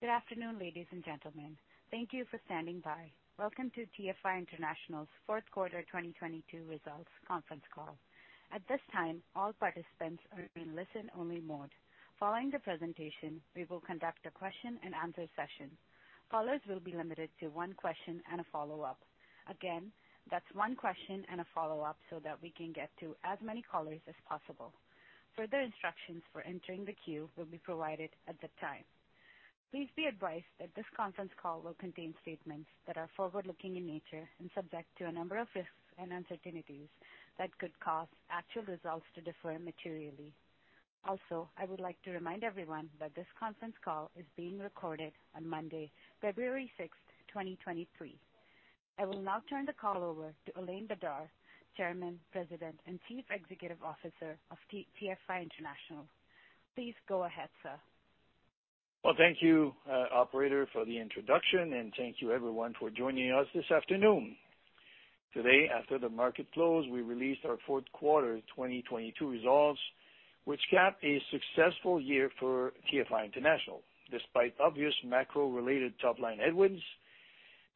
Good afternoon, ladies and gentlemen. Thank you for standing by. Welcome to TFI International's fourth quarter 2022 results conference call. At this time, all participants are in listen only mode. Following the presentation, we will conduct a question and answer session. Callers will be limited to 1 question and a follow-up. Again, that's 1 question and a follow-up so that we can get to as many callers as possible. Further instructions for entering the queue will be provided at the time. Please be advised that this conference call will contain statements that are forward-looking in nature and subject to a number of risks and uncertainties that could cause actual results to differ materially. Also, I would like to remind everyone that this conference call is being recorded on Monday, February 6th, 2023. I will now turn the call over to Alain Bédard, Chairman, President, and Chief Executive Officer of TFI International. Please go ahead, sir. Well, thank you, operator, for the introduction. Thank you everyone for joining us this afternoon. Today, after the market close, we released our fourth quarter 2022 results, which capped a successful year for TFI International. Despite obvious macro-related top line headwinds,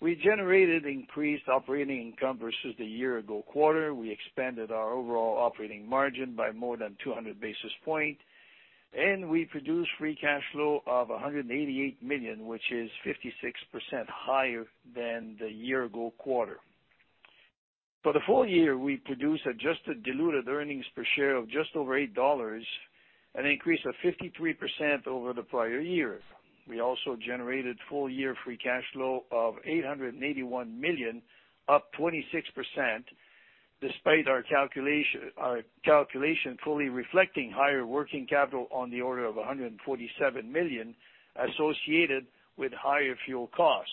we generated increased operating income versus the year ago quarter. We expanded our overall operating margin by more than 200 basis point. We produced free cash flow of $188 million, which is 56% higher than the year ago quarter. For the full year, we produced adjusted diluted earnings per share of just over $8, an increase of 53% over the prior year. We also generated full year free cash flow of $881 million, up 26% despite our calculation fully reflecting higher working capital on the order of $147 million associated with higher fuel cost.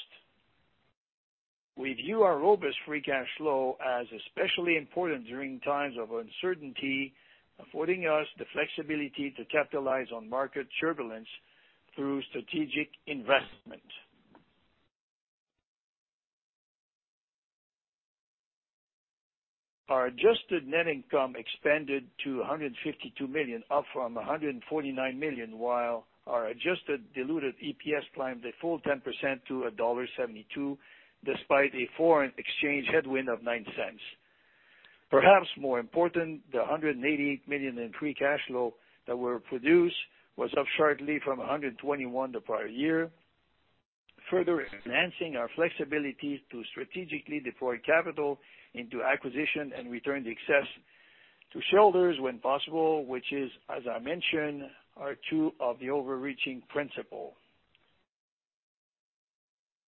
We view our robust free cash flow as especially important during times of uncertainty, affording us the flexibility to capitalize on market turbulence through strategic investment. Our adjusted net income expanded to $152 million, up from $149 million, while our adjusted diluted EPS climbed a full 10% to $1.72, despite a foreign exchange headwind of $0.09. Perhaps more important, the $188 million in free cash flow that were produced was up sharply from $121 the prior year, further enhancing our flexibility to strategically deploy capital into acquisition and return the excess to shareholders when possible, which is, as I mentioned, are two of the overreaching principle.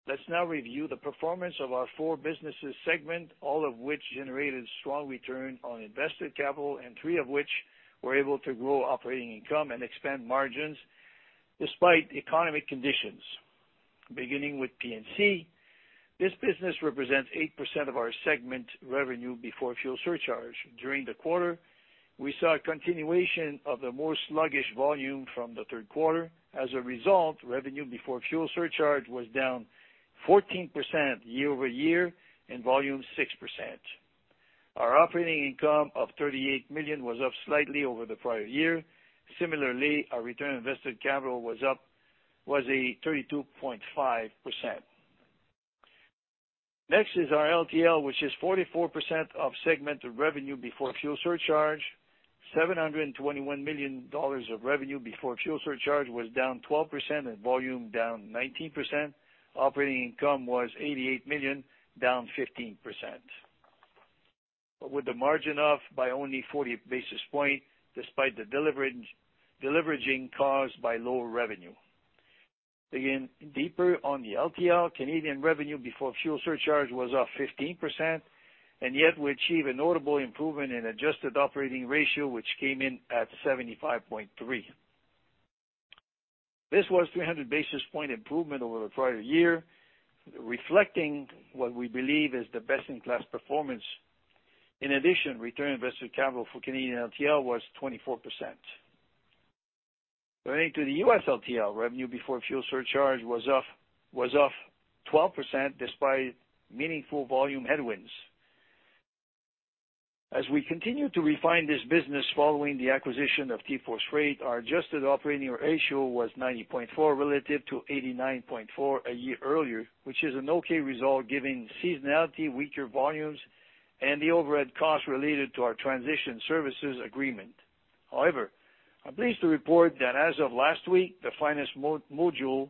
Let's now review the performance of our four businesses segment, all of which generated strong return on invested capital and three of which were able to grow operating income and expand margins despite economic conditions. Beginning with PNC, this business represents 8% of our segment revenue before fuel surcharge. During the quarter, we saw a continuation of the more sluggish volume from the third quarter. As a result, revenue before fuel surcharge was down 14% year-over-year and volume 6%. Our operating income of $38 million was up slightly over the prior year. Similarly, our return on invested capital was 32.5%. Next is our LTL, which is 44% of segment revenue before fuel surcharge. $721 million of revenue before fuel surcharge was down 12% and volume down 19%. Operating income was $88 million, down 15%. With the margin off by only 40 basis points despite the deleveraging caused by lower revenue. Digging deeper on the LTL, Canadian revenue before fuel surcharge was up 15%, and yet we achieve a notable improvement in adjusted operating ratio, which came in at 75.3%. This was 300 basis points improvement over the prior year, reflecting what we believe is the best in class performance. In addition, return on invested capital for Canadian LTL was 24%. Turning to the U.S. LTL, revenue before fuel surcharge was off 12% despite meaningful volume headwinds. As we continue to refine this business following the acquisition of TForce Freight, our adjusted operating ratio was 90.4 relative to 89.4 a year earlier, which is an okay result given seasonality, weaker volumes, and the overhead costs related to our transition services agreement. I'm pleased to report that as of last week, the finest module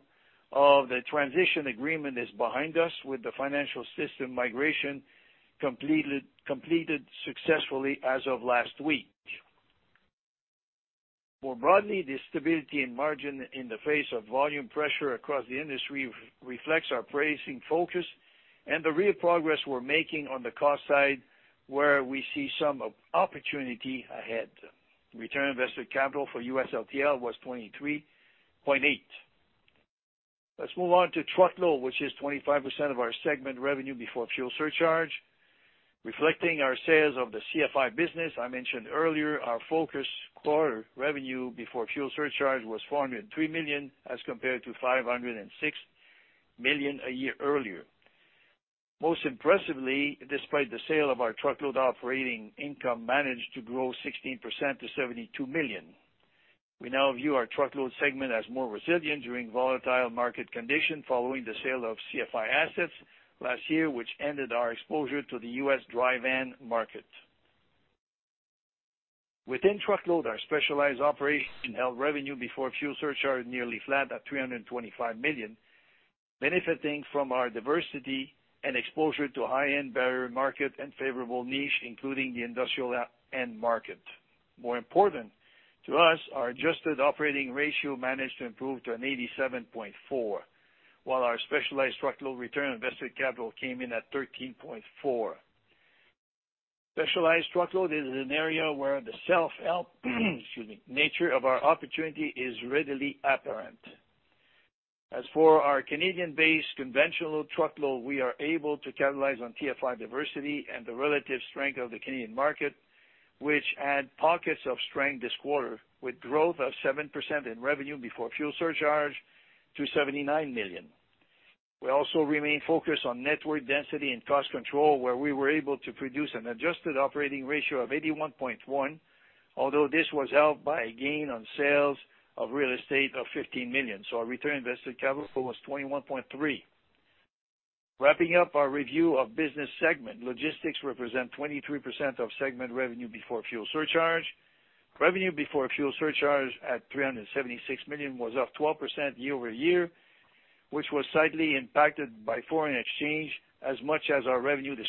of the transition agreement is behind us with the financial system migration completed successfully as of last week. The stability and margin in the face of volume pressure across the industry reflects our pricing focus and the real progress we're making on the cost side, where we see some opportunity ahead. Return on invested capital for U.S. LTL was 23.8%. Let's move on to Truckload, which is 25% of our segment revenue before fuel surcharge. Reflecting our sales of the CFI business I mentioned earlier, our core revenue before fuel surcharge was $403 million as compared to $506 million a year earlier. Most impressively, despite the sale of our truckload operating income managed to grow 16% to $72 million. We now view our truckload segment as more resilient during volatile market conditions following the sale of CFI assets last year, which ended our exposure to the U.S. dry van market. Within truckload, our specialized operation held revenue before fuel surcharge, nearly flat at $325 million, benefiting from our diversity and exposure to high-end barrier market and favorable niche, including the industrial end market. More important to us, our adjusted operating ratio managed to improve to an 87.4, while our specialized truckload return on invested capital came in at 13.4. Specialized truckload is an area where the self-help, excuse me, nature of our opportunity is readily apparent. As for our Canadian-based conventional truckload, we are able to capitalize on TFI diversity and the relative strength of the Canadian market, which add pockets of strength this quarter with growth of 7% in revenue before fuel surcharge to $79 million. We also remain focused on network density and cost control, where we were able to produce an adjusted operating ratio of 81.1. Although this was helped by a gain on sales of real estate of $15 million. Our return on invested capital was 21.3. Wrapping up our review of business segment, logistics represent 23% of segment revenue before fuel surcharge. Revenue before fuel surcharge at $376 million was up 12% year-over-year, which was slightly impacted by foreign exchange as much as our revenue this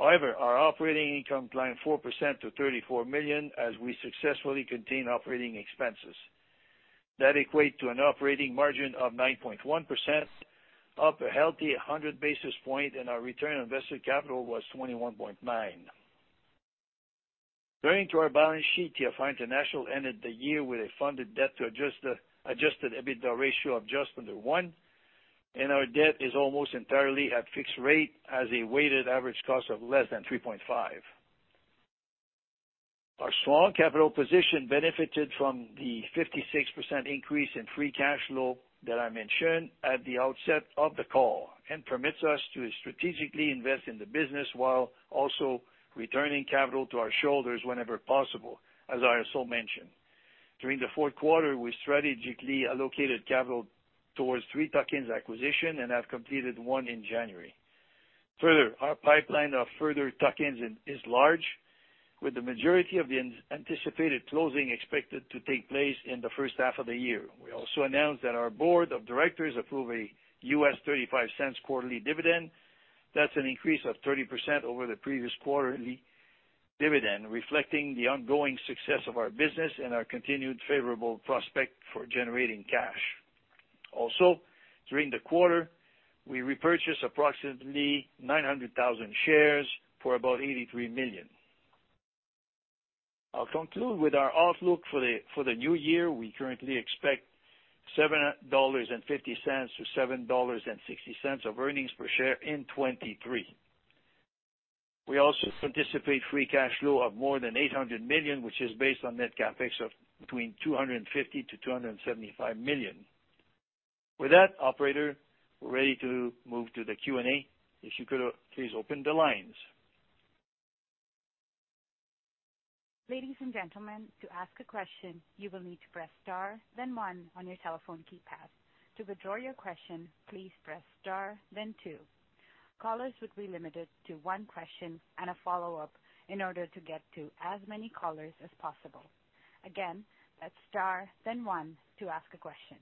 quarter. Our operating income declined 4% to $34 million as we successfully contained Operating Expenses. That equate to an operating margin of 9.1%, up a healthy 100 basis points, and our return on invested capital was 21.9%. Turning to our balance sheet, TFI International ended the year with a funded debt to adjusted EBITDA ratio of just under 1, and our debt is almost entirely at fixed rate as a weighted average cost of less than 3.5%. Our strong capital position benefited from the 56% increase in free cash flow that I mentioned at the outset of the call. Permits us to strategically invest in the business while also returning capital to our shareholders whenever possible, as I also mentioned. During the fourth quarter, we strategically allocated capital towards three tuck-ins acquisition and have completed one in January. Further, our pipeline of further tuck-ins is large, with the majority of the anticipated closing expected to take place in the first half of the year. We also announced that our board of directors approve a $0.35 quarterly dividend. That's an increase of 30% over the previous quarterly dividend, reflecting the ongoing success of our business and our continued favorable prospect for generating cash. Also, during the quarter, we repurchased approximately 900,000 shares for about $83 million. I'll conclude with our outlook for the, for the new year. We currently expect $7.50-$7.60 of earnings per share in 2023. We also anticipate free cash flow of more than $800 million, which is based on net CapEx of between $250 million-$275 million. With that, operator, we're ready to move to the Q&A. If you could please open the lines. Ladies and gentlemen, to ask a question, you will need to press star then one on your telephone keypad. To withdraw your question, please press star then two. Callers will be limited to one question and a follow-up in order to get to as many callers as possible. Again, that's star then one to ask a question.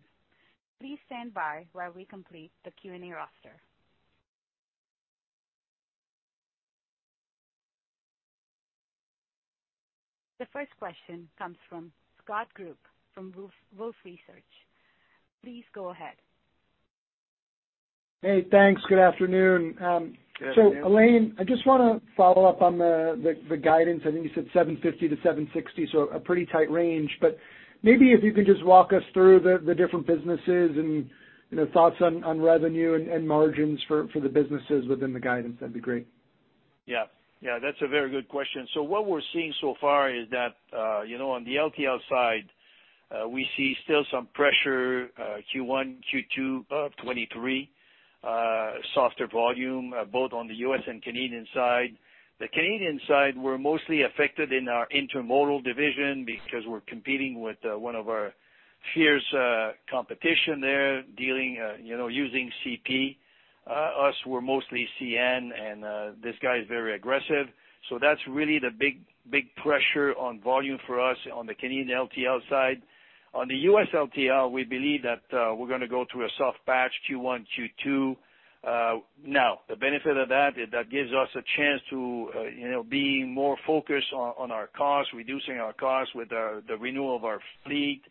Please stand by while we complete the Q&A roster. The first question comes from Scott Group from Wolfe Research. Please go ahead. Hey, thanks. Good afternoon. Good afternoon. Alain, I just wanna follow up on the guidance. I think you said $750-$760, a pretty tight range. Maybe if you can just walk us through the different businesses and, you know, thoughts on revenue and margins for the businesses within the guidance, that'd be great. Yeah. Yeah, that's a very good question. What we're seeing so far is that, you know, on the LTL side, we see still some pressure, Q1, Q2 of 2023, softer volume, both on the U.S. and Canadian side. The Canadian side were mostly affected in our intermodal division because we're competing with one of our fierce competition there dealing, you know, using CP. Us, we're mostly CN, this guy is very aggressive. That's really the big pressure on volume for us on the Canadian LTL side. On the U.S. LTL, we believe that we're gonna go through a soft patch Q1, Q2. Now, the benefit of that is that gives us a chance to, you know, being more focused on our costs, reducing our costs with the renewal of our fleet,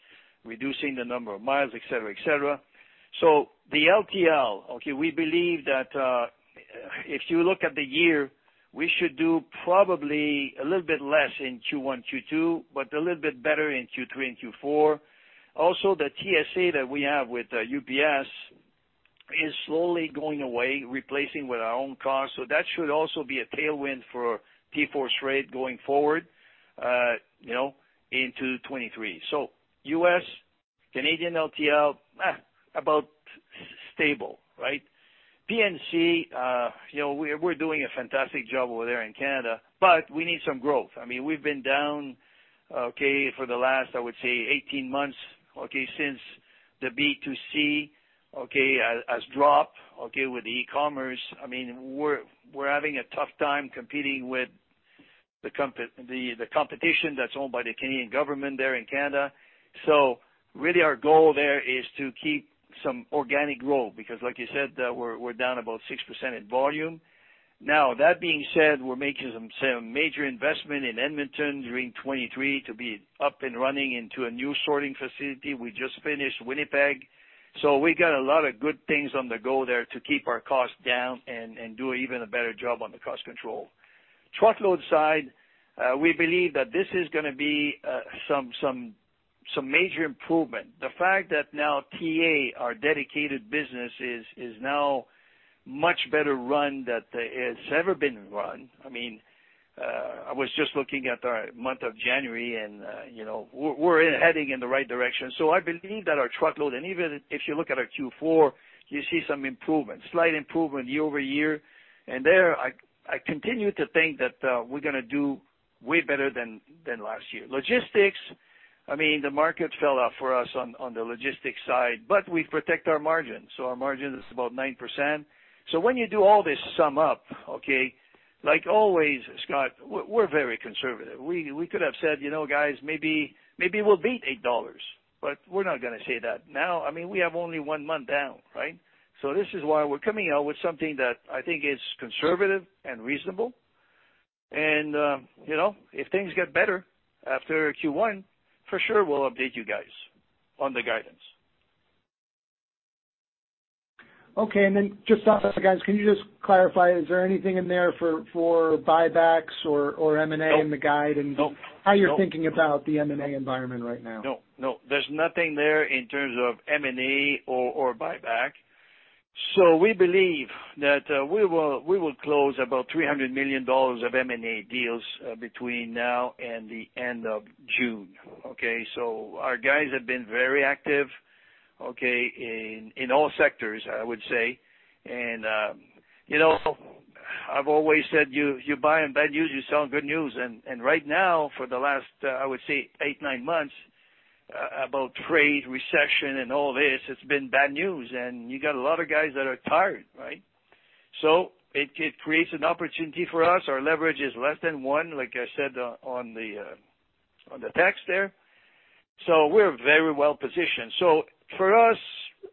reducing the number of miles, et cetera, et cetera. The LTL, okay, we believe that if you look at the year, we should do probably a little bit less in Q1, Q2, but a little bit better in Q3 and Q4. Also, the TSA that we have with UPS is slowly going away, replacing with our own cars. That should also be a tailwind for TForce Freight going forward, you know, into 2023. U.S.-Canadian LTL, about stable, right? PNC, you know, we're doing a fantastic job over there in Canada, but we need some growth. I mean, we've been down, okay, for the last, I would say 18 months, okay, since the B2C has dropped, okay, with e-commerce. I mean, we're having a tough time competing with the competition that's owned by the Canadian government there in Canada. Really our goal there is to keep some organic growth because like you said, we're down about 6% in volume. Now that being said, we're making some major investment in Edmonton during 2023 to be up and running into a new sorting facility. We just finished Winnipeg. We got a lot of good things on the go there to keep our costs down and do even a better job on the cost control. Truckload side, we believe that this is gonna be some major improvement. The fact that now TA, our dedicated business, is now much better run that it's ever been run. I mean, I was just looking at our month of January and, you know, we're heading in the right direction. I believe that our truckload and even if you look at our Q4, you see some improvement, slight improvement year-over-year. There I continue to think that we're gonna do way better than last year. Logistics, I mean, the market fell out for us on the logistics side, but we protect our margins. Our margin is about 9%. When you do all this sum up, okay, like always, Scott, we're very conservative. We could have said, "You know, guys, maybe we'll beat $8," but we're not gonna say that. I mean, we have only one month down, right? This is why we're coming out with something that I think is conservative and reasonable. You know, if things get better after Q1, for sure we'll update you guys on the guidance. Okay. Then just off that, guys, can you just clarify, is there anything in there for buybacks or M&A in the guide-? No. How you're thinking about the M&A environment right now? No, no. There's nothing there in terms of M&A or buyback. We believe that we will close about $300 million of M&A deals between now and the end of June, okay? Our guys have been very active, okay, in all sectors, I would say. You know, I've always said, you buy on bad news, you sell on good news. Right now for the last, I would say 8, 9 months, about trade, recession and all this, it's been bad news. You got a lot of guys that are tired, right? It creates an opportunity for us. Our leverage is less than 1, like I said, on the on the tax there. We're very well positioned. for us,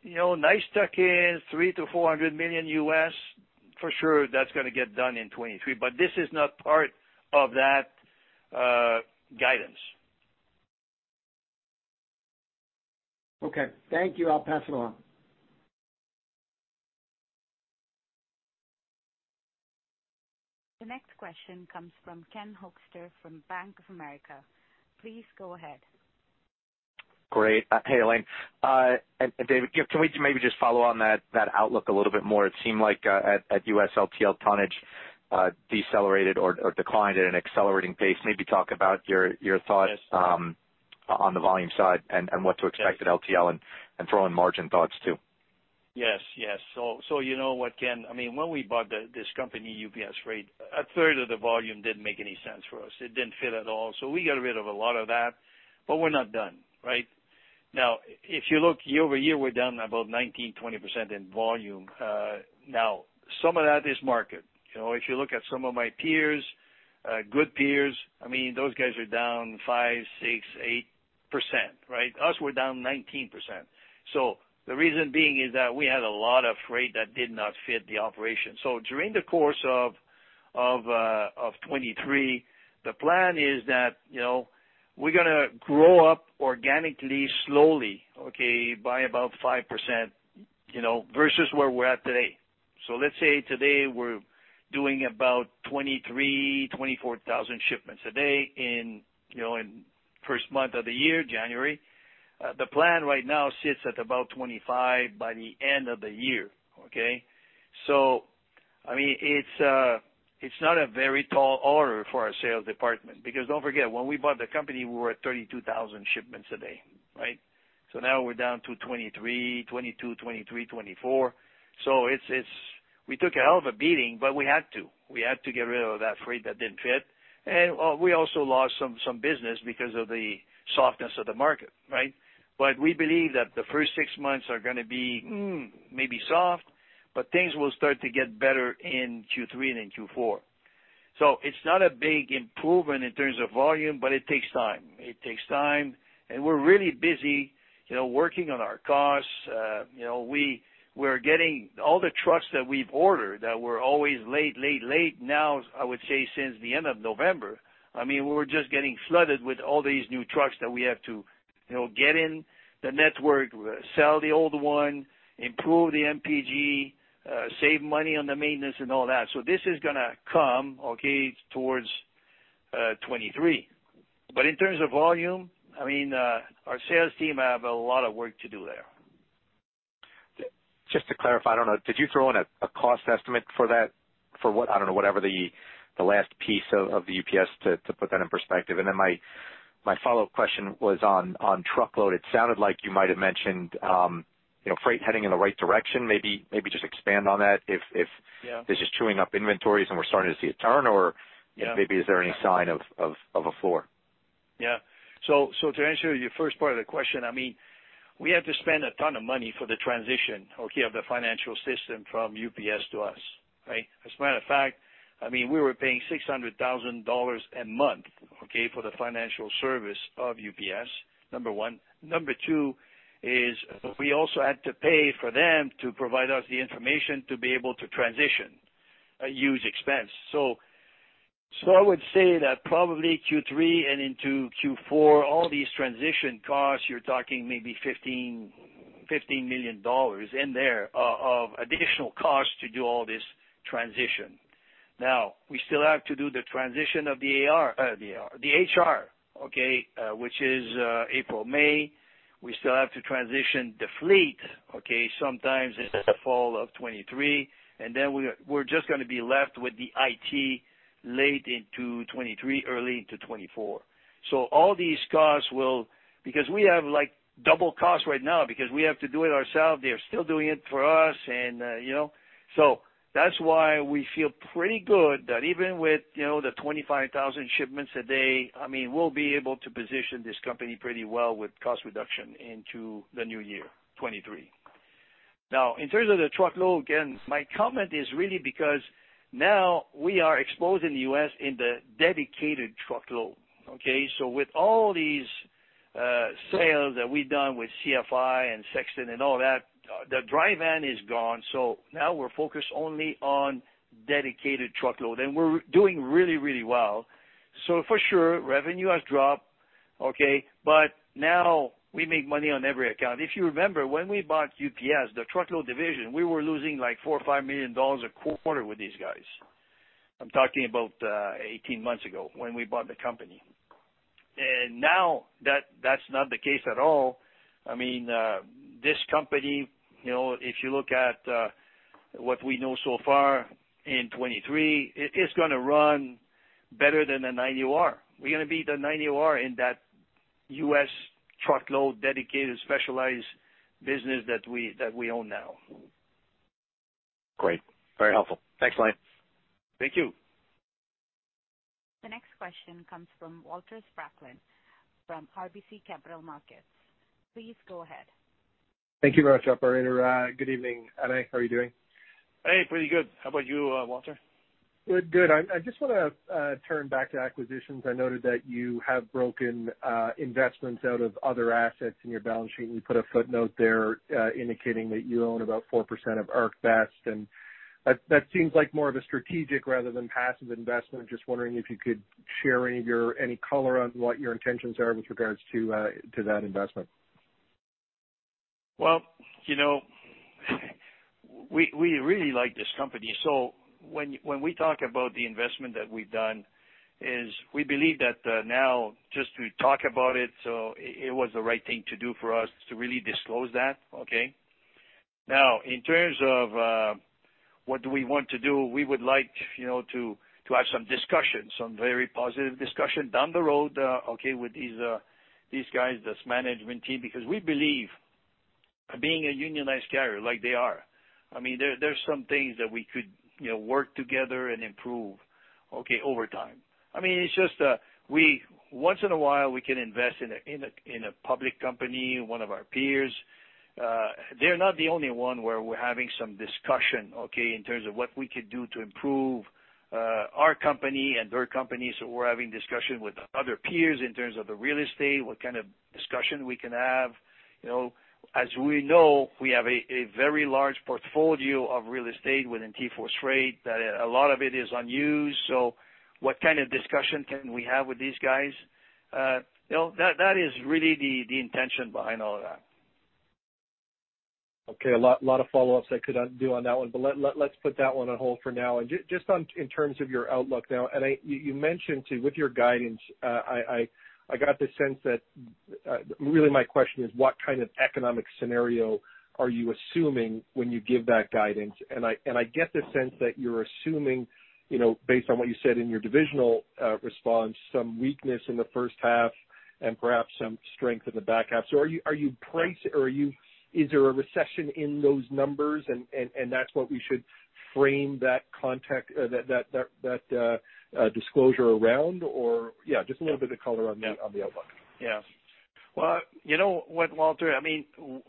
you know, nice tuck in, $300 million-$400 million U.S., for sure that's gonna get done in 2023, but this is not part of that guidance. Okay, thank you. I'll pass it along. The next question comes from Kenneth Hoexter from Bank of America. Please go ahead. Great. Hey, Alain, and David, can we maybe just follow on that outlook a little bit more? It seemed like at U.S. LTL tonnage decelerated or declined at an accelerating pace. Maybe talk about your thoughts on the volume side and what to expect at LTL and throw in margin thoughts too. Yes. Yes. You know what, Ken, I mean, when we bought this company, UPS Freight, a third of the volume didn't make any sense for us. It didn't fit at all. We got rid of a lot of that, but we're not done, right? If you look year-over-year, we're down about 19%-20% in volume. Some of that is market. You know, if you look at some of my peers, good peers, I mean, those guys are down 5%, 6%, 8%, right? Us, we're down 19%. The reason being is that we had a lot of freight that did not fit the operation. During the course of 2023, the plan is that, you know, we're gonna grow up organically, slowly, okay, by about 5%, you know, versus where we're at today. Let's say today we're doing about 23,000-24,000 shipments a day in, you know, in 1st month of the year, January. The plan right now sits at about 25 by the end of the year, okay? I mean, it's not a very tall order for our sales department because don't forget, when we bought the company, we were at 32,000 shipments a day, right? Now we're down to 23, 22, 23, 24. We took a hell of a beating, but we had to. We had to get rid of that freight that didn't fit. We also lost some business because of the softness of the market, right? We believe that the 1st 6 months are gonna be, maybe soft, but things will start to get better in Q3 and in Q4. It's not a big improvement in terms of volume, but it takes time. It takes time. We're really busy, you know, working on our costs. you know, we're getting all the trucks that we've ordered that were always late, late. I would say since the end of November, I mean, we're just getting flooded with all these new trucks that we have to, you know, get in the network, sell the old one, improve the MPG, save money on the maintenance and all that. This is gonna come, okay, towards 2023. In terms of volume, I mean, our sales team have a lot of work to do there. To clarify, I don't know, did you throw in a cost estimate for that? For what? I don't know, whatever the last piece of the UPS to put that in perspective. My follow-up question was on truckload. It sounded like you might have mentioned, you know, freight heading in the right direction. Maybe just expand on that. If. Yeah. This is chewing up inventories and we're starting to see a turn. Yeah. maybe is there any sign of a floor? To answer your first part of the question, I mean, we have to spend a ton of money for the transition, okay, of the financial system from UPS to us, right? As a matter of fact, I mean, we were paying $600,000 a month, okay, for the financial service of UPS, number one. Number two is we also had to pay for them to provide us the information to be able to transition. A huge expense. I would say that probably Q3 and into Q4, all these transition costs, you're talking maybe $15 million in there of additional costs to do all this transition. Now, we still have to do the transition of the AR. The AR. The HR, okay, which is April, May. We still have to transition the fleet, okay, sometimes in the fall of 2023. Then we're just gonna be left with the IT late into 2023, early into 2024. All these costs. Because we have, like, double costs right now because we have to do it ourselves. They are still doing it for us and, you know. That's why we feel pretty good that even with, you know, the 25,000 shipments a day, I mean, we'll be able to position this company pretty well with cost reduction into the new year, 2023. In terms of the truckload, again, my comment is really because now we are exposed in the U.S. in the dedicated truckload, okay. With all these sales that we've done with CFI and Sexton and all that, the dry van is gone, so now we're focused only on dedicated truckload, and we're doing really, really well. For sure, revenue has dropped, okay, but now we make money on every account. If you remember, when we bought UPS, the truckload division, we were losing, like, $4 million or $5 million a quarter with these guys. I'm talking about 18 months ago when we bought the company. Now that's not the case at all. I mean, this company, you know, if you look at what we know so far in 2023, it is gonna run better than the 90 OR. We're gonna beat the 90 OR in that U.S. truckload dedicated specialized business that we own now. Great. Very helpful. Thanks, Alain. Thank you. The next question comes from Walter Spracklin from RBC Capital Markets. Please go ahead. Thank you very much, operator. good evening, Alain. How are you doing? Hey, pretty good. How about you, Walter? Good, good. I just wanna turn back to acquisitions. I noted that you have broken investments out of other assets in your balance sheet, and you put a footnote there, indicating that you own about 4% of ArcBest, and that seems like more of a strategic rather than passive investment. Just wondering if you could share any of your, any color on what your intentions are with regards to that investment. You know, we really like this company. When, when we talk about the investment that we've done is we believe that, now just to talk about it was the right thing to do for us to really disclose that, okay. In terms of, what do we want to do, we would like, you know, to have some discussions, some very positive discussion down the road, okay, with these guys, this management team, because we believe being a unionized carrier like they are, I mean, there's some things that we could, you know, work together and improve, okay, over time. I mean, it's just, Once in a while, we can invest in a public company, one of our peers. They're not the only one where we're having some discussion, okay, in terms of what we could do to improve, our company and their company. We're having discussion with other peers in terms of the real estate, what kind of discussion we can have. You know, as we know, we have a very large portfolio of real estate within TForce Freight. That a lot of it is unused, so what kind of discussion can we have with these guys? You know, that is really the intention behind all of that. Okay. A lot of follow-ups I could do on that one, but let's put that one on hold for now. Just on, in terms of your outlook now. You mentioned, too, with your guidance, I got the sense that. Really my question is what kind of economic scenario are you assuming when you give that guidance? I get the sense that you're assuming, you know, based on what you said in your divisional response, some weakness in the first half and perhaps some strength in the back half. Are you price or are you? Is there a recession in those numbers and that's what we should frame that context that disclosure around? Yeah, just a little bit of color on the, on the outlook. Well, you know what, Walter, I mean,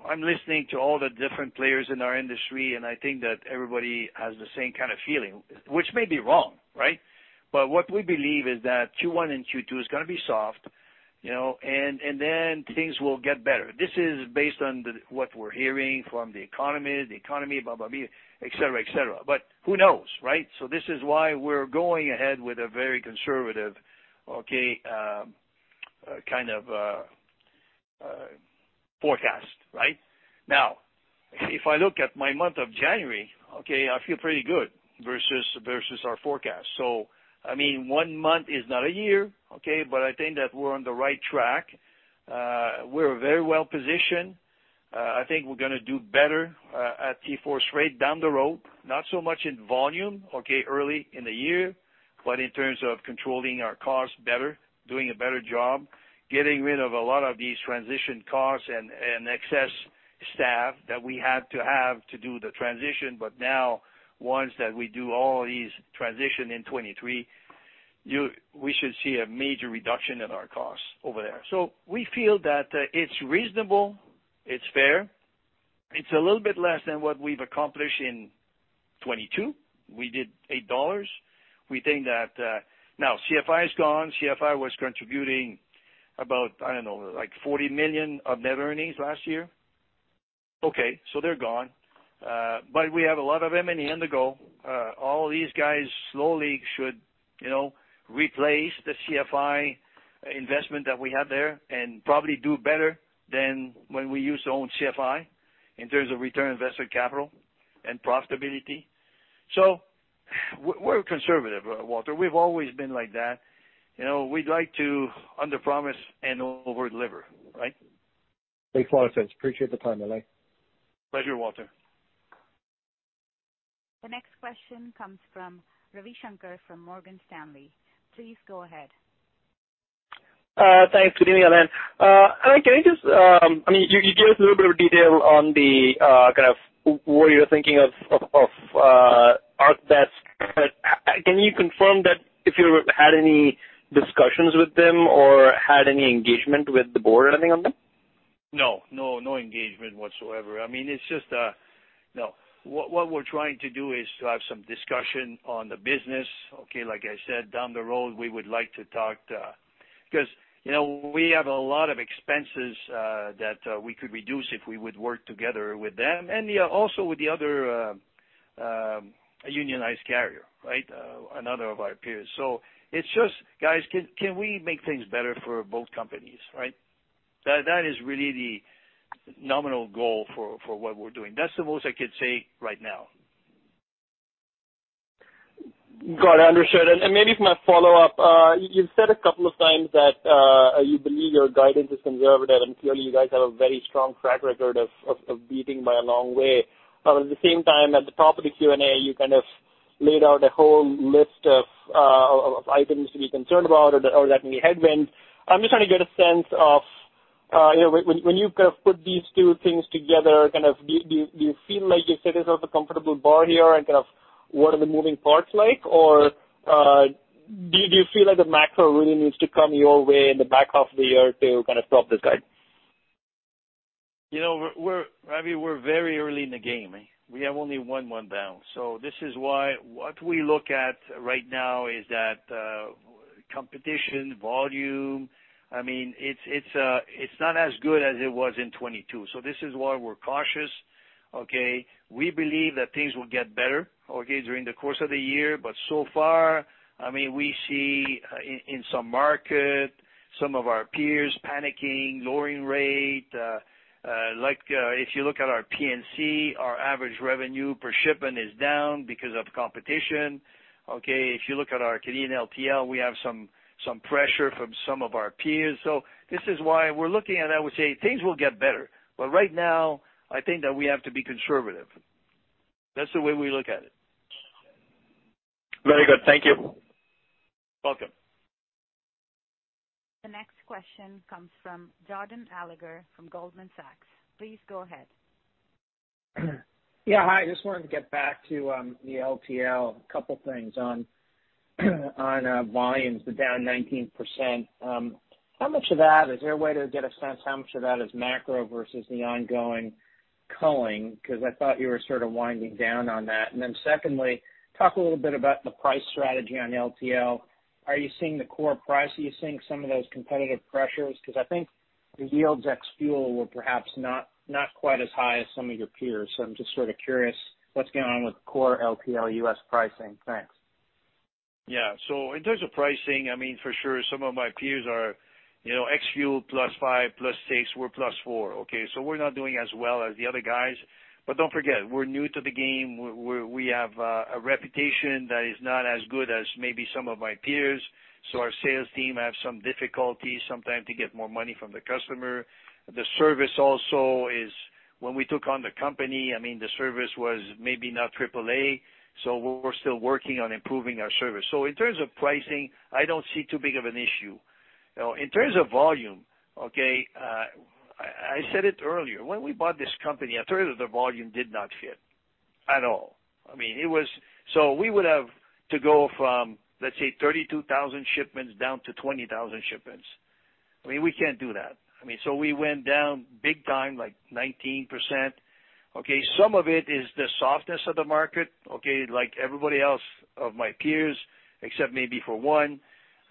I'm listening to all the different players in our industry, and I think that everybody has the same kind of feeling, which may be wrong, right? What we believe is that Q1 and Q2 is gonna be soft, you know, and then things will get better. This is based on the, what we're hearing from the economy, blah, blah, et cetera, et cetera. Who knows, right? This is why we're going ahead with a very conservative, okay, kind of forecast, right? If I look at my month of January, okay, I feel pretty good versus our forecast. I mean, one month is not a year, okay, but I think that we're on the right track. We're very well positioned. I think we're gonna do better at TForce Freight down the road, not so much in volume, okay, early in the year, but in terms of controlling our costs better, doing a better job, getting rid of a lot of these transition costs and excess staff that we had to have to do the transition. Now once that we do all these transition in 23, we should see a major reduction in our costs over there. We feel that it's reasonable, it's fair. It's a little bit less than what we've accomplished in 22. We did $8. We think that. Now CFI is gone. CFI was contributing about, I don't know, like $40 million of net earnings last year. Okay, they're gone. We have a lot of them in the Indigo. All these guys slowly should, you know, replace the CFI investment that we had there and probably do better than when we used to own CFI in terms of return on invested capital and profitability. We're conservative, Walter. We've always been like that. You know, we'd like to underpromise and overdeliver, right? Makes a lot of sense. Appreciate the time, Alain. Pleasure, Walter. The next question comes from Ravi Shanker from Morgan Stanley. Please go ahead. Thanks. Good evening, Alain. Alain, can you just, I mean, you gave us a little bit of detail on the kind of where you're thinking of, ArcBest, but how can you confirm that if you had any discussions with them or had any engagement with the board or anything on them? No. No, no engagement whatsoever. I mean, it's just. No. What we're trying to do is to have some discussion on the business, okay? Like I said, down the road, we would like to talk to. 'Cause, you know, we have a lot of expenses that we could reduce if we would work together with them and, yeah, also with the other unionized carrier, right? Another of our peers. It's just, guys, can we make things better for both companies, right? That is really the nominal goal for what we're doing. That's the most I could say right now. Got it. Understood. Maybe for my follow-up. You've said a couple of times that you believe your guidance is conservative, and clearly you guys have a very strong track record of beating by a long way. At the same time, at the top of the Q&A, you kind of laid out a whole list of items to be concerned about or that can be headwinds. I'm just trying to get a sense of, you know, when you kind of put these two things together, kind of do you feel like you set yourself a comfortable bar here and kind of what are the moving parts like? Do you feel like the macro really needs to come your way in the back half of the year to kind of stop this guide? You know, we're Ravi, we're very early in the game. We have only one down. This is why what we look at right now is that competition, volume, I mean, it's not as good as it was in 22. This is why we're cautious, okay? We believe that things will get better, okay, during the course of the year, so far, I mean, we see in some market, some of our peers panicking, lowering rate. Like, if you look at our PNC, our average revenue per shipment is down because of competition, okay? If you look at our Canadian LTL, we have some pressure from some of our peers. This is why we're looking, I would say things will get better. Right now, I think that we have to be conservative. That's the way we look at it. Very good. Thank you. Welcome. The next question comes from Jordan Alliger from Goldman Sachs. Please go ahead. Yeah, hi. Just wanted to get back to the LTL. A couple things on volumes, the down 19%. Is there a way to get a sense how much of that is macro versus the ongoing culling? I thought you were sort of winding down on that. Secondly, talk a little bit about the price strategy on LTL. Are you seeing the core price? Are you seeing some of those competitive pressures? I think the yields ex fuel were perhaps not quite as high as some of your peers. I'm just sort of curious what's going on with core LTL U.S. pricing. Thanks. Yeah. In terms of pricing, I mean, for sure, some of my peers are, you know, ex fuel +5%, +6%, we're +4%, okay? We're not doing as well as the other guys. Don't forget, we're new to the game. We have a reputation that is not as good as maybe some of my peers, so our sales team have some difficulty sometimes to get more money from the customer. The service also is... When we took on the company, I mean, the service was maybe not triple A, so we're still working on improving our service. In terms of pricing, I don't see too big of an issue. In terms of volume, okay, I said it earlier, when we bought this company, a third of the volume did not fit at all. I mean, it was... We would have to go from, let's say 32,000 shipments down to 20,000 shipments. I mean, we can't do that. I mean, we went down big time, like 19%. Okay. Some of it is the softness of the market, okay? Like everybody else of my peers, except maybe for one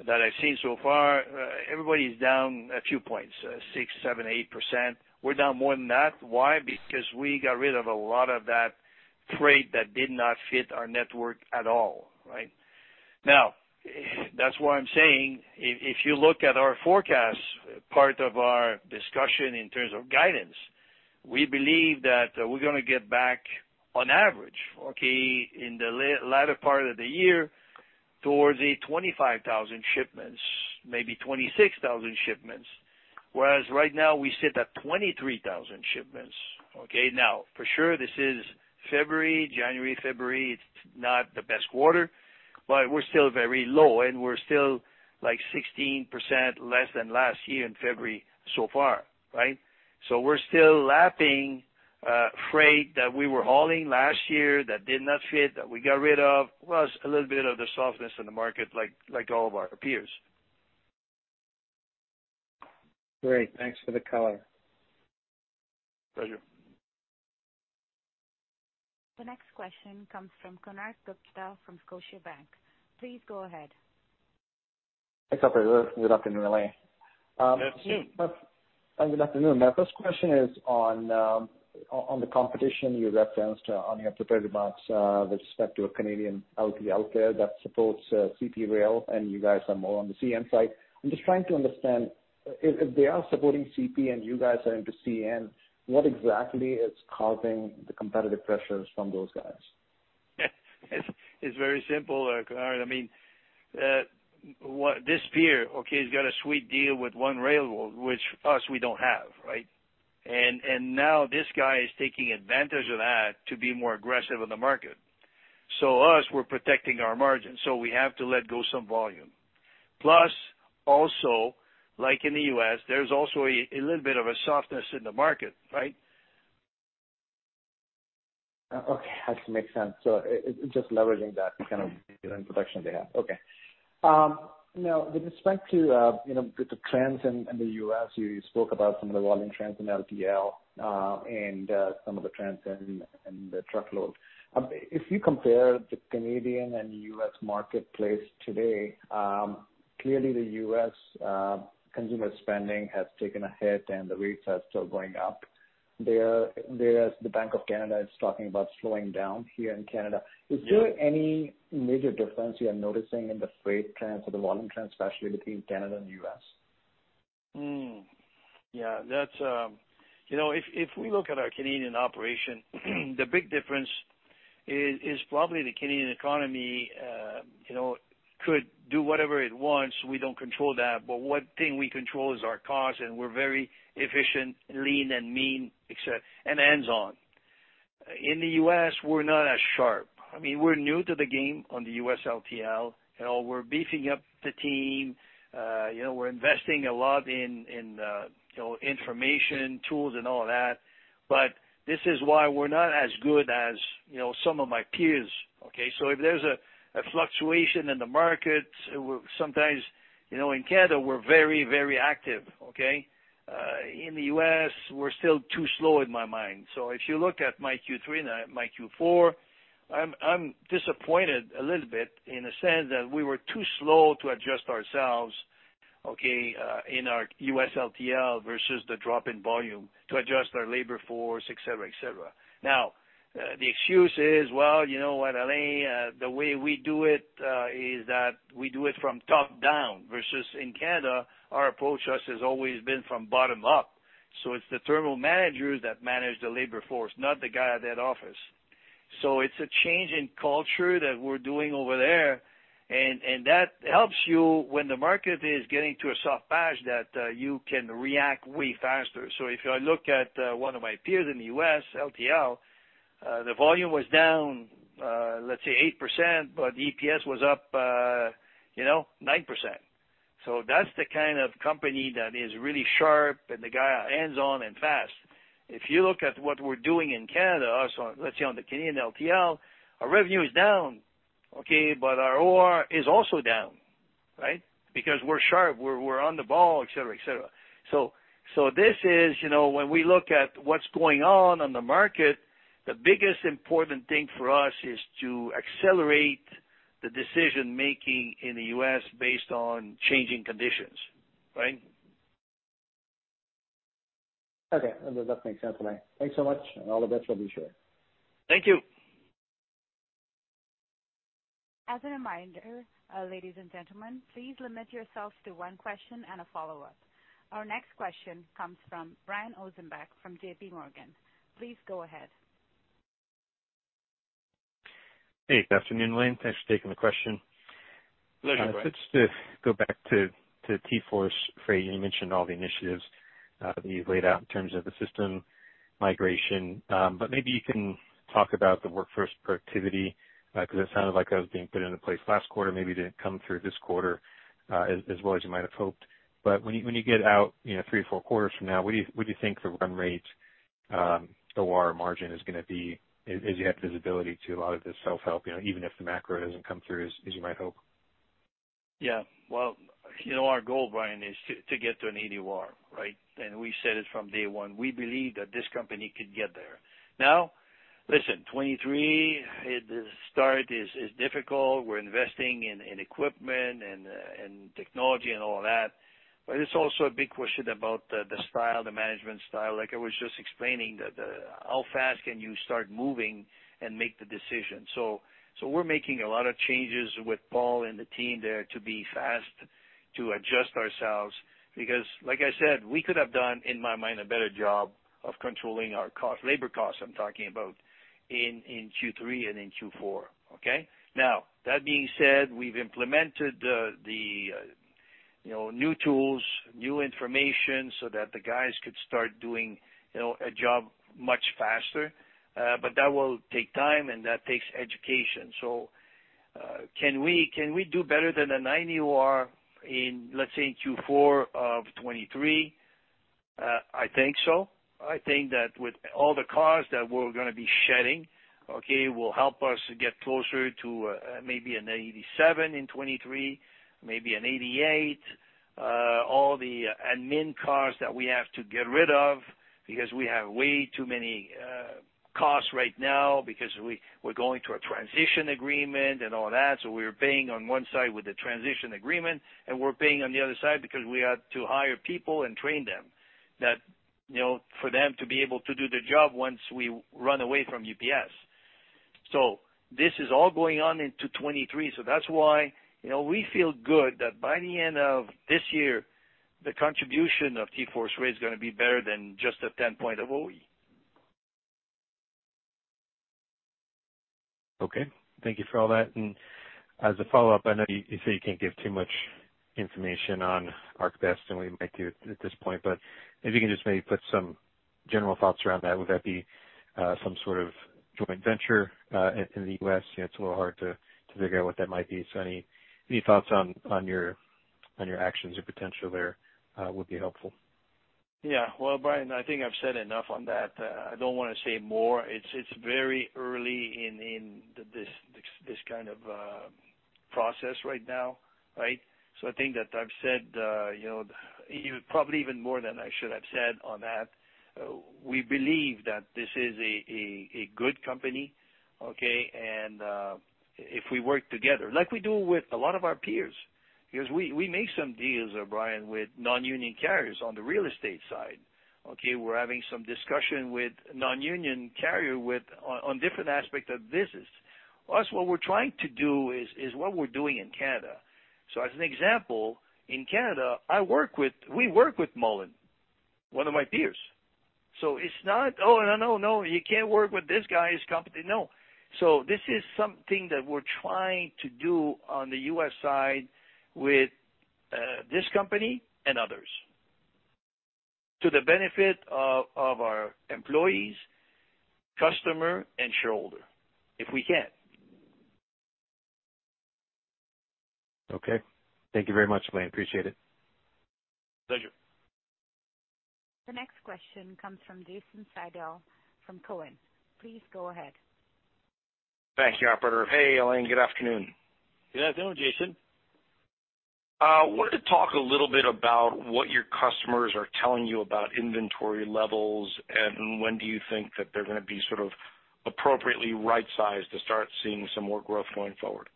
that I've seen so far, everybody's down a few points, 6%, 7%, 8%. We're down more than that. Why? Because we got rid of a lot of that freight that did not fit our network at all, right? Now, that's why I'm saying if you look at our forecast, part of our discussion in terms of guidance. We believe that we're gonna get back on average, okay, in the latter part of the year towards a 25,000 shipments, maybe 26,000 shipments. Right now we sit at 23,000 shipments, okay. For sure this is February. January, February, it's not the best quarter, but we're still very low, and we're still like 16% less than last year in February so far, right? We're still lapping freight that we were hauling last year that did not fit, that we got rid of. Plus a little bit of the softness in the market like all of our peers. Great. Thanks for the color. Pleasure. The next question comes from Konark Gupta from Scotiabank. Please go ahead. Thanks, operator. Good afternoon, Alain. Yes, you. Good afternoon. My first question is on the competition you referenced on your prepared remarks, with respect to a Canadian LTL carrier that supports, CP Rail and you guys are more on the CN side. I'm just trying to understand if they are supporting CP and you guys are into CN, what exactly is causing the competitive pressures from those guys? It's very simple, Kunal. I mean, this peer, okay, has got a sweet deal with one railroad, which us we don't have, right? Now this guy is taking advantage of that to be more aggressive in the market. Us, we're protecting our margins, so we have to let go some volume. Plus, also, like in the U.S., there's also a little bit of a softness in the market, right? Okay. That makes sense. It's just leveraging that kind of introduction they have. Okay. Now with respect to, you know, the trends in the U.S., you spoke about some of the volume trends in LTL, and some of the trends in the truckload. If you compare the Canadian and U.S. marketplace today, clearly the U.S. consumer spending has taken a hit and the rates are still going up. There's the Bank of Canada is talking about slowing down here in Canada. Yeah. Is there any major difference you are noticing in the freight trends or the volume trends, especially between Canada and U.S.? That's. You know, if we look at our Canadian operation, the big difference is probably the Canadian economy, you know, could do whatever it wants. We don't control that, but one thing we control is our cost and we're very efficient, lean and mean, et cetera, and hands-on. In the U.S. we're not as sharp. I mean, we're new to the game on the U.S. LTL. You know, we're beefing up the team. You know, we're investing a lot in, you know, information tools and all that, but this is why we're not as good as, you know, some of my peers, okay? If there's a fluctuation in the market, sometimes, you know, in Canada we're very, very active, okay? In the U.S., we're still too slow in my mind. If you look at my Q3 and my Q4, I'm disappointed a little bit in the sense that we were too slow to adjust ourselves, okay, in our U.S. LTL versus the drop in volume to adjust our labor force, et cetera, et cetera. The excuse is, well, you know what, Alain, the way we do it, is that we do it from top down versus in Canada our approach has always been from bottom up. It's the terminal managers that manage the labor force, not the guy at head office. It's a change in culture that we're doing over there. That helps you when the market is getting to a soft patch that, you can react way faster. If I look at one of my peers in the U.S. LTL, the volume was down, let's say 8%, but EPS was up, you know, 9%. That's the kind of company that is really sharp and the guy hands-on and fast. If you look at what we're doing in Canada, let's say on the Canadian LTL, our revenue is down, okay, but our OR is also down, right? Because we're sharp, we're on the ball, et cetera, et cetera. This is, you know, when we look at what's going on on the market, the biggest important thing for us is to accelerate the decision-making in the U.S. based on changing conditions, right? Okay. That makes sense, Alain. Thanks so much, and all the best for the share. Thank you. As a reminder, ladies and gentlemen, please limit yourselves to one question and a follow-up. Our next question comes from Brian Ossenbeck from JPMorgan. Please go ahead. Hey. Good afternoon, Alain. Thanks for taking the question. Pleasure. Let's just go back to TForce Freight. You mentioned all the initiatives that you've laid out in terms of the system migration. Maybe you can talk about the workforce productivity 'cause it sounded like that was being put into place last quarter, maybe didn't come through this quarter as well as you might have hoped. When you get out, you know, 3 to 4 quarters from now, what do you think the run rate OR margin is gonna be as you have visibility to a lot of this self-help, you know, even if the macro doesn't come through as you might hope? Yeah. Well, you know, our goal, Brian, is to get to an 80 OR, right? We said it from day one. We believe that this company could get there. Listen, 23, the start is difficult. We're investing in equipment and in technology and all that, but it's also a big question about the style, the management style. Like I was just explaining that How fast can you start moving and make the decision? We're making a lot of changes with Paul and the team there to be fast, to adjust ourselves because like I said, we could have done, in my mind, a better job of controlling our cost, labor costs, I'm talking about in Q3 and in Q4. Okay? That being said, we've implemented the, you know, new tools, new information so that the guys could start doing, you know, a job much faster. That will take time and that takes education. Can we do better than a 9 OR in, let's say in Q4 of 2023? I think so. I think that with all the cars that we're gonna be shedding, okay, will help us get closer to, maybe an 87 in 2023, maybe an 88. All the admin cars that we have to get rid of because we have way too many, costs right now because we're going through a transition agreement and all that. We're paying on one side with the transition agreement, and we're paying on the other side because we have to hire people and train them that, you know, for them to be able to do the job once we run away from UPS. This is all going on into 2023. That's why, you know, we feel good that by the end of this year, the contribution of TForce Way is gonna be better than just a 10 point OR. Okay. Thank you for all that. As a follow-up, I know you say you can't give too much information on ArcBest, we might do at this point, if you can just maybe put some general thoughts around that, would that be some sort of joint venture in the U.S.? It's a little hard to figure out what that might be. Any thoughts on your actions or potential there would be helpful. Yeah. Well, Brian, I think I've said enough on that. I don't wanna say more. It's very early in this kind of process right now, right? I think that I've said, you know, even probably even more than I should have said on that. We believe that this is a good company, okay? If we work together, like we do with a lot of our peers, because we make some deals, Brian, with non-union carriers on the real estate side. Okay, we're having some discussion with non-union carrier on different aspects of business. Us, what we're trying to do is what we're doing in Canada. As an example, in Canada, we work with Mullen, one of my peers. It's not, "Oh, no, no, you can't work with this guy, his company." No. This is something that we're trying to do on the U.S. side with this company and others. To the benefit of our employees, customer, and shareholder, if we can. Okay. Thank you very much, Alain. Appreciate it. Pleasure. The next question comes from Jason Seidl from Cowen. Please go ahead. Thank you, operator. Hey, Alain. Good afternoon. Good afternoon, Jason. Wanted to talk a little bit about what your customers are telling you about inventory levels and when do you think that they're gonna be sort of appropriately right-sized to start seeing some more growth going forward?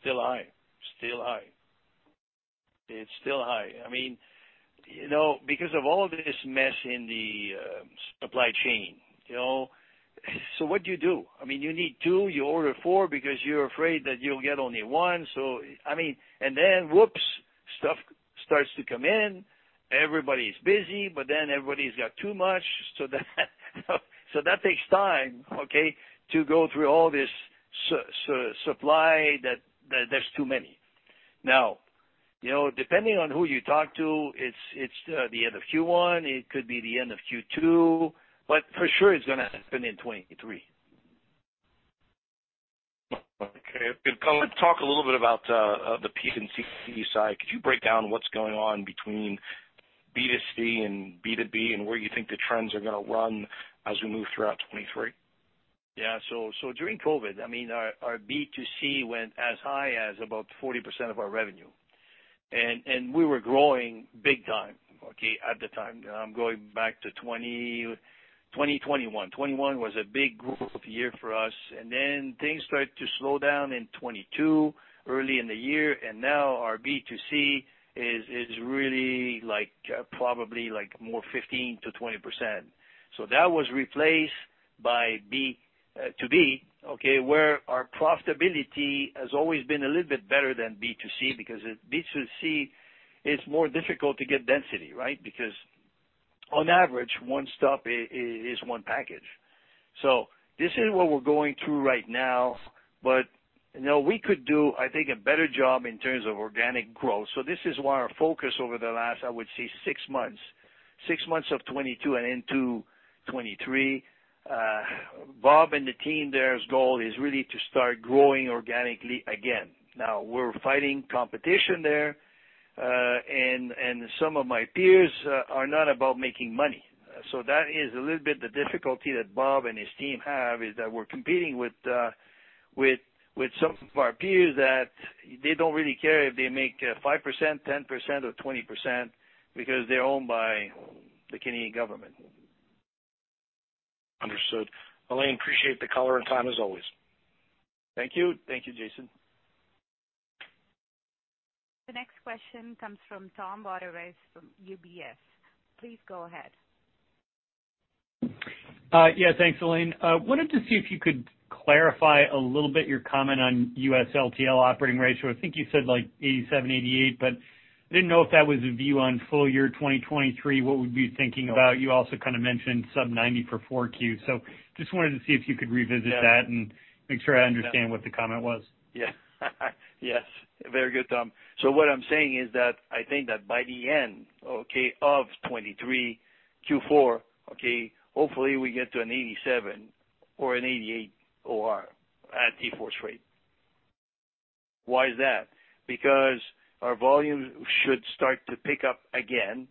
Still high. Still high. It's still high. I mean, you know, because of all of this mess in the supply chain, you know? What do you do? I mean, you need 2, you order 4 because you're afraid that you'll get only 1. I mean, whoops, stuff starts to come in. Everybody's busy, everybody's got too much. That takes time, okay? To go through all this supply that there's too many. You know, depending on who you talk to, it's the end of Q1, it could be the end of Q2, for sure it's gonna happen in 2023. Okay. I want to talk a little bit about the peak and CC side. Could you break down what's going on between B2C and B2B and where you think the trends are gonna run as we move throughout 2023? Yeah. During COVID, I mean, our B2C went as high as about 40% of our revenue. And we were growing big time, okay, at the time. I'm going back to 2021. 2021 was a big growth year for us. Then things started to slow down in 2022, early in the year, and now our B2C is really like, probably like more 15%-20%. That was replaced by B2B, okay? Where our profitability has always been a little bit better than B2C, because B2C is more difficult to get density, right? Because on average, 1 stop is 1 package. This is what we're going through right now, but, you know, we could do, I think, a better job in terms of organic growth. This is why our focus over the last, I would say six months, six months of 2022 and into 2023, Bob and the team there's goal is really to start growing organically again. We're fighting competition there, and some of my peers are not about making money. That is a little bit the difficulty that Bob and his team have, is that we're competing with some of our peers that they don't really care if they make 5%, 10% or 20% because they're owned by the Canadian government. Understood. Alain, appreciate the color and time as always. Thank you. Thank you, Jason. The next question comes from Thomas Wadewitz from UBS. Please go ahead. Yeah, thanks Elaine. Wanted to see if you could clarify a little bit your comment on U.S. LTL operating ratio. I think you said like 87, 88. I didn't know if that was a view on full year 2023, what would you be thinking about? You also kind of mentioned sub-90 for 4Q. Just wanted to see if you could revisit that and make sure I understand what the comment was. Yeah. Yes. Very good, Tom. What I'm saying is that I think that by the end of 2023 Q4, hopefully we get to an 87 or an 88 OR at TForce Freight. Why is that? Our volume should start to pick up again,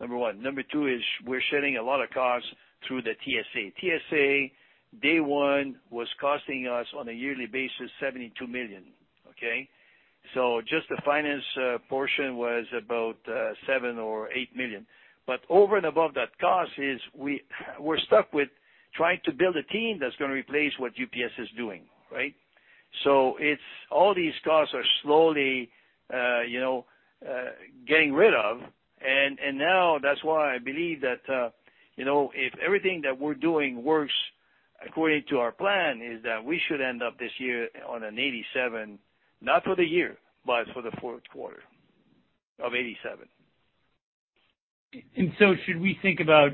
number one. Number two is we're shedding a lot of costs through the TSA. TSA, day one was costing us, on a yearly basis, $72 million. Just the finance portion was about $7 million or $8 million. Over and above that cost is we're stuck with trying to build a team that's gonna replace what UPS is doing, right? It's all these costs are slowly, you know, getting rid of. Now that's why I believe that, you know, if everything that we're doing works according to our plan, is that we should end up this year on an 87%. Not for the year, but for the fourth quarter. Of 87%. Should we think about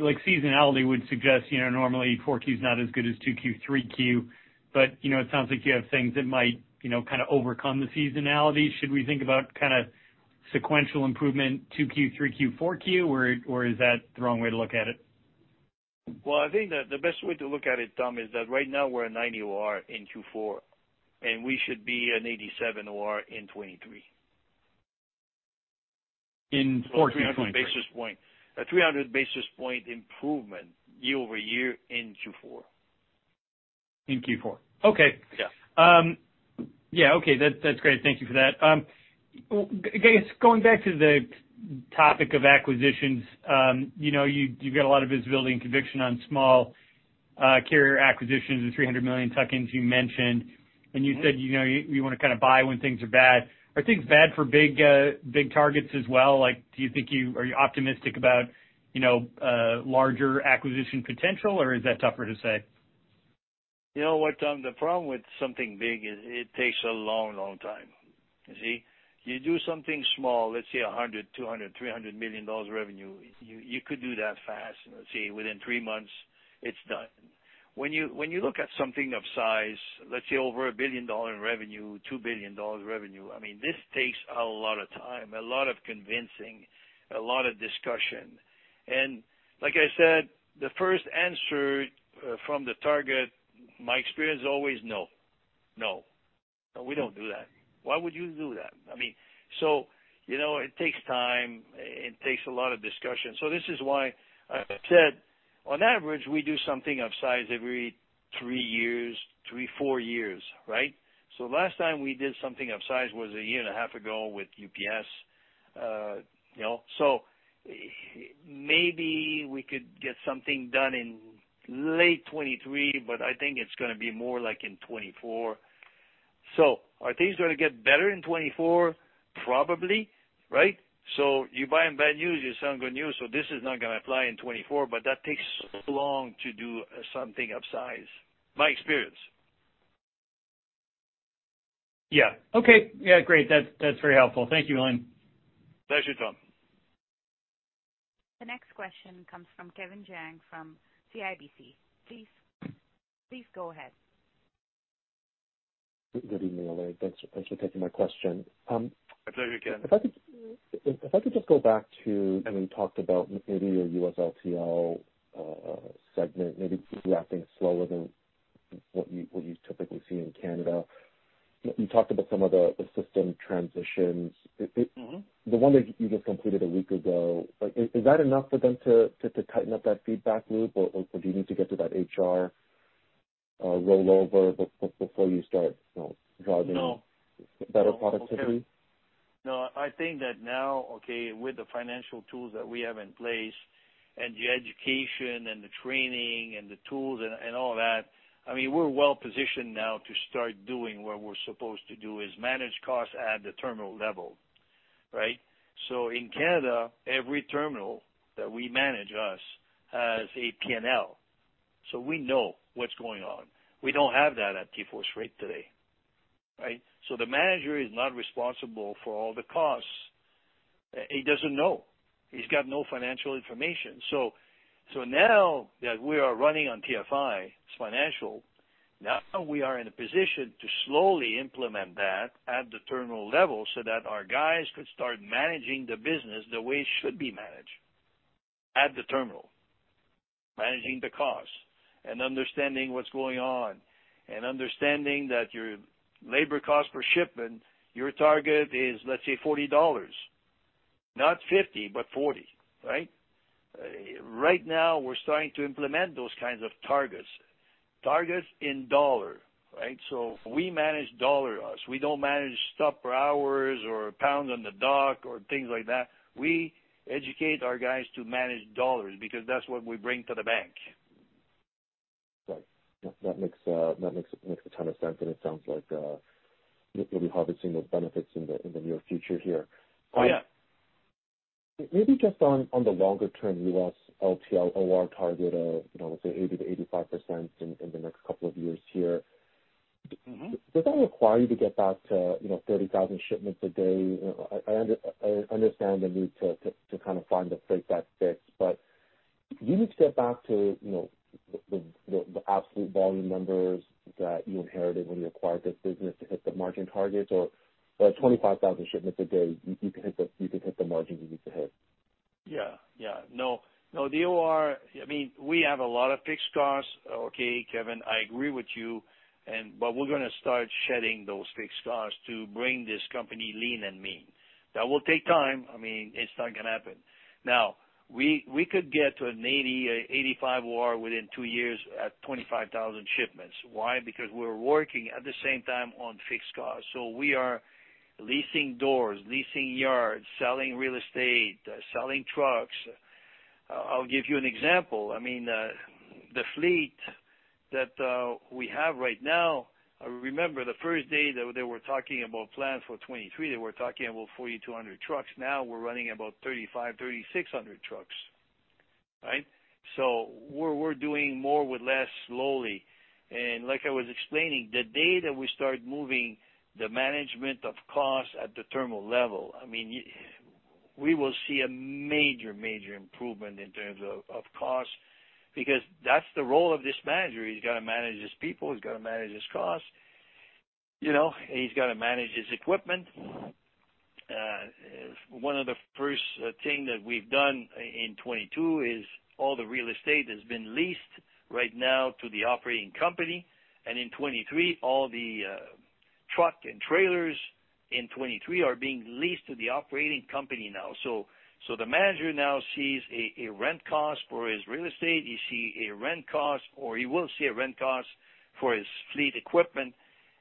like seasonality would suggest, you know, normally 4Q is not as good as 2Q, 3Q? You know, it sounds like you have things that might, you know, kinda overcome the seasonality. Should we think about kinda sequential improvement, 2Q, 3Q, 4Q? Is that the wrong way to look at it? Well, I think that the best way to look at it, Tom, is that right now we're a 90 OR in Q4, and we should be an 87 OR in 2023. In 4 2023. 300 basis point. A 300 basis point improvement year-over-year in Q4. In Q four. Okay. Yeah. Yeah, okay. That's great. Thank you for that. I guess going back to the topic of acquisitions, you know, you've got a lot of visibility and conviction on small, carrier acquisitions, the $300 million tuck-ins you mentioned. You said, you know, you wanna kinda buy when things are bad. Are things bad for big, big targets as well? Like, are you optimistic about, you know, larger acquisition potential, or is that tougher to say? You know what, Tom, the problem with something big is it takes a long, long time. You see? You do something small, let's say $100 million, $200 million, $300 million revenue, you could do that fast. Let's say within 3 months it's done. When you look at something of size, let's say over $1 billion in revenue, $2 billion revenue, I mean, this takes a lot of time, a lot of convincing, a lot of discussion. Like I said, the first answer from the target, my experience always, "No. No. No, we don't do that. Why would you do that?" I mean, you know, it takes time, it takes a lot of discussion. This is why I said, on average, we do something of size every 3 years, 3-4 years, right? Last time we did something of size was a year and a half ago with UPS, you know. Maybe we could get something done in late 2023, but I think it's gonna be more like in 2024. Are things gonna get better in 2024? Probably, right? You buy on bad news, you sell on good news, this is not gonna apply in 2024, but that takes so long to do something of size. My experience. Yeah. Okay. Yeah, great. That's, that's very helpful. Thank you, Alain. Pleasure, Tom. The next question comes from Kevin Chiang from CIBC. Please go ahead. Good evening, Elaine. Thanks for taking my question. A pleasure, Kevin. If I could just go back to, I mean, talked about maybe your U.S. LTL segment, maybe it's wrapping slower than what you, what you typically see in Canada. You talked about some of the system transitions. Mm-hmm. The one that you just completed a week ago, like, is that enough for them to tighten up that feedback loop, or do you need to get to that HR rollover before you start, you know, driving? No. better productivity? No, I think that now, okay, with the financial tools that we have in place and the education and the training and the tools and all that, I mean, we're well positioned now to start doing what we're supposed to do, is manage costs at the terminal level, right? In Canada, every terminal that we manage, us, has a P&L. We know what's going on. We don't have that at TForce Freight today, right? The manager is not responsible for all the costs. He doesn't know. He's got no financial information. Now that we are running on TFI's financial, now we are in a position to slowly implement that at the terminal level so that our guys could start managing the business the way it should be managed: at the terminal. Managing the costs and understanding what's going on and understanding that your labor cost per shipment, your target is, let's say $40. Not 50, but 40, right? Right now we're starting to implement those kinds of targets. Targets in dollar, right? We manage dollar us. We don't manage stop for hours or pounds on the dock or things like that. We educate our guys to manage dollars because that's what we bring to the bank. Right. That makes a ton of sense, and it sounds like you'll be harvesting those benefits in the near future here. Oh, yeah. Maybe just on the longer term U.S. LTL OR target of, you know, let's say 80%-85% in the next couple of years here. Mm-hmm. Does that require you to get back to, you know, 30,000 shipments a day? I understand the need to kind of find a freight that fits, but do you need to get back to, you know, the absolute volume numbers that you inherited when you acquired this business to hit the margin targets? Or at 25,000 shipments a day, you can hit the margins you need to hit. Yeah. Yeah. No, no, the OR... I mean, we have a lot of fixed costs. Okay, Kevin, I agree with you, we're gonna start shedding those fixed costs to bring this company lean and mean. That will take time. I mean, it's not gonna happen. Now, we could get to an 80, 85 OR within 2 years at 25,000 shipments. Why? Because we're working at the same time on fixed costs. We are leasing doors, leasing yards, selling real estate, selling trucks. I'll give you an example. I mean, the fleet that we have right now, remember the first day that they were talking about plans for 2023, they were talking about 4,200 trucks. Now we're running about 3,500-3,600 trucks, right? We're doing more with less slowly. Like I was explaining, the day that we start moving the management of costs at the terminal level, I mean, we will see a major improvement in terms of cost because that's the role of this manager. He's gotta manage his people, he's gotta manage his costs. You know, he's gotta manage his equipment. One of the first thing that we've done in 22 is all the real estate has been leased right now to the operating company. In 23, all the truck and trailers in 23 are being leased to the operating company now. So the manager now sees a rent cost for his real estate. You see a rent cost, or he will see a rent cost for his fleet equipment.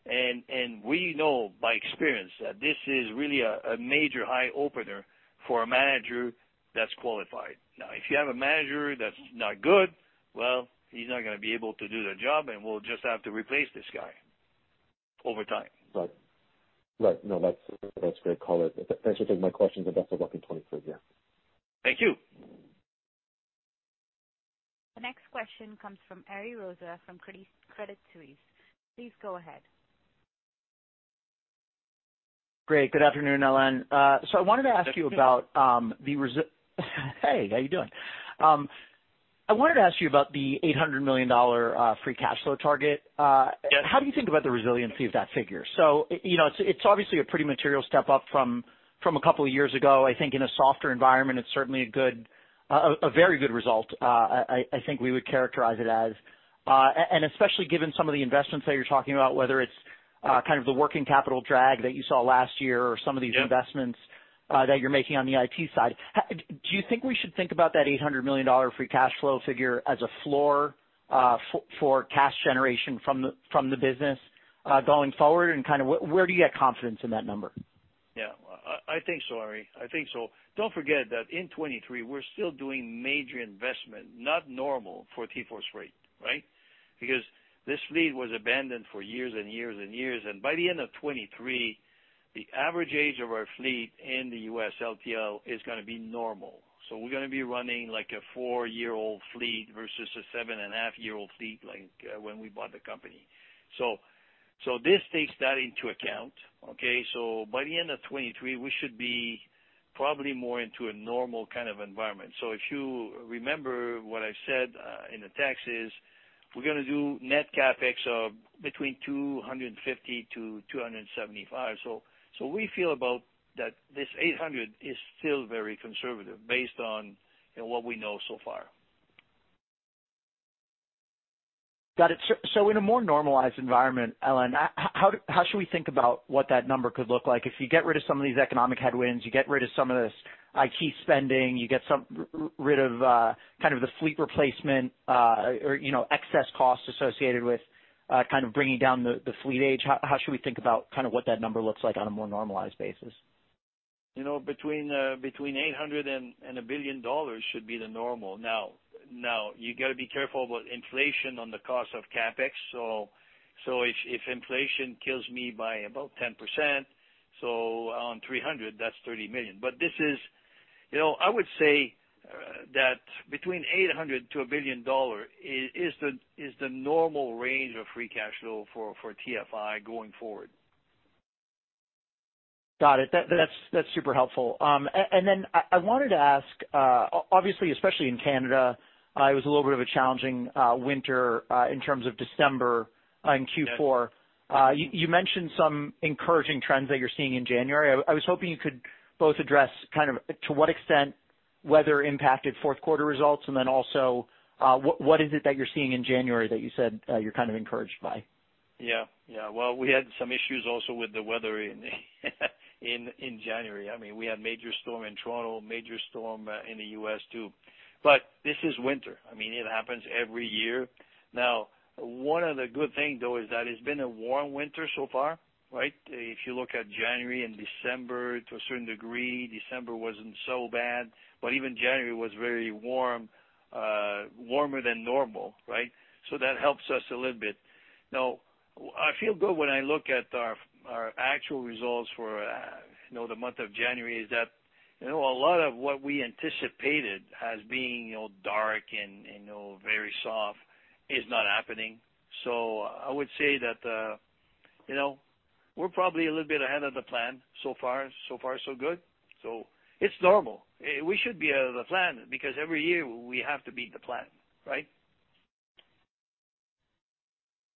We know by experience that this is really a major eye-opener for a manager that's qualified. Now, if you have a manager that's not good, well, he's not gonna be able to do the job, and we'll just have to replace this guy over time. Right. Right. No, that's great color. That answers my questions and best of luck in 2023. Yeah. Thank you. The next question comes from Ariel Rosa from Credit Suisse. Please go ahead. Great. Good afternoon, Alain. hey, how you doing? I wanted to ask you about the $800 million free cash flow target. Yes. How do you think about the resiliency of that figure? you know, it's obviously a pretty material step up from 2 years ago. I think in a softer environment, it's certainly a very good result. I think we would characterize it as, and especially given some of the investments that you're talking about, whether it's kind of the working capital drag that you saw last year or some of these. Yeah. investments, that you're making on the IT side, do you think we should think about that $800 million free cash flow figure as a floor for cash generation from the business going forward, and kinda where do you get confidence in that number? Yeah. I think so, Ari. I think so. Don't forget that in 2023, we're still doing major investment, not normal for TForce Freight, right? Because this fleet was abandoned for years and years and years. By the end of 2023, the average age of our fleet in the U.S. LTL is gonna be normal. We're gonna be running like a 4-year-old fleet versus a seven-and-a-half-year-old fleet like, when we bought the company. This takes that into account, okay? By the end of 2023, we should be probably more into a normal kind of environment. If you remember what I said, in the taxes, we're gonna do net CapEx of between $250 million-$275 million. We feel about that this $800 is still very conservative based on, you know, what we know so far. Got it. In a more normalized environment, Alain, how should we think about what that number could look like? If you get rid of some of these economic headwinds, you get rid of some of this IT spending, you get some rid of, kind of the fleet replacement, or, you know, excess costs associated with, kind of bringing down the fleet age, how should we think about kind of what that number looks like on a more normalized basis? You know, between $800 million and $1 billion should be the normal. Now, you gotta be careful about inflation on the cost of CapEx. If inflation kills me by about 10%, on $300 million, that's $30 million. This is... You know, I would say that between $800 million to $1 billion is the normal range of free cash flow for TFI going forward. Got it. That's super helpful. Then I wanted to ask, obviously especially in Canada, it was a little bit of a challenging winter, in terms of December, in Q4. Yes. You mentioned some encouraging trends that you're seeing in January. I was hoping you could both address kind of to what extent weather impacted fourth quarter results, and then also, what is it that you're seeing in January that you said, you're kind of encouraged by? Yeah. Well, we had some issues also with the weather in January. I mean, we had major storm in Toronto, major storm in the U.S. too. This is winter. I mean, it happens every year. Now, one of the good thing, though, is that it's been a warm winter so far, right? If you look at January and December, to a certain degree, December wasn't so bad, but even January was very warm. Warmer than normal, right? That helps us a little bit. I feel good when I look at our actual results for, you know, the month of January is that, you know, a lot of what we anticipated as being, you know, dark and, you know, very soft is not happening. I would say that, you know, we're probably a little bit ahead of the plan so far. Far, so good. It's normal. We should be ahead of the plan because every year we have to beat the plan, right?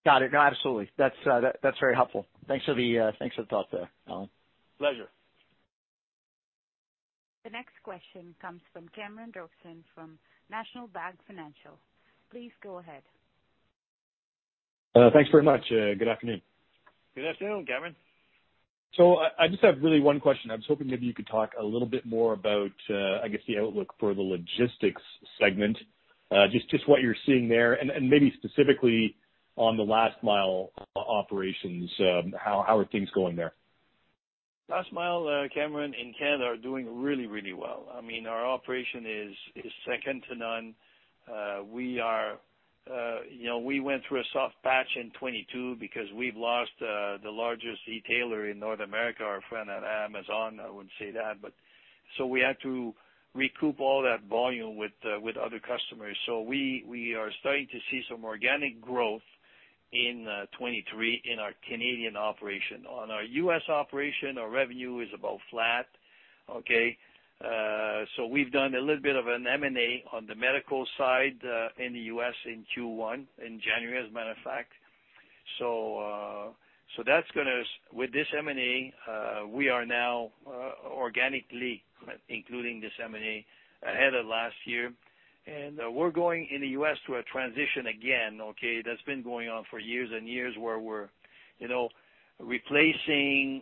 Got it. No, absolutely. That's, that's very helpful. Thanks for the, thanks for the thought there, Alain. Pleasure. The next question comes from Cameron Doerksen from National Bank Financial. Please go ahead. thanks very much. good afternoon. Good afternoon, Cameron. I just have really one question. I was hoping maybe you could talk a little bit more about, I guess, the outlook for the logistics segment, just what you're seeing there and maybe specifically on the last mile operations, how are things going there? Last mile, Cameron, in Canada are doing really, really well. I mean, our operation is second to none. You know, we went through a soft patch in 22 because we've lost the largest retailer in North America, our friend at Amazon, I would say that. We had to recoup all that volume with other customers. We are starting to see some organic growth in 23 in our Canadian operation. On our U.S. operation, our revenue is about flat. Okay? We've done a little bit of an M&A on the medical side in the U.S. in Q1, in January, as a matter of fact. That's gonna with this M&A, we are now organically, including this M&A ahead of last year. We're going in the U.S. to a transition again, okay, that's been going on for years and years, where we're, you know, replacing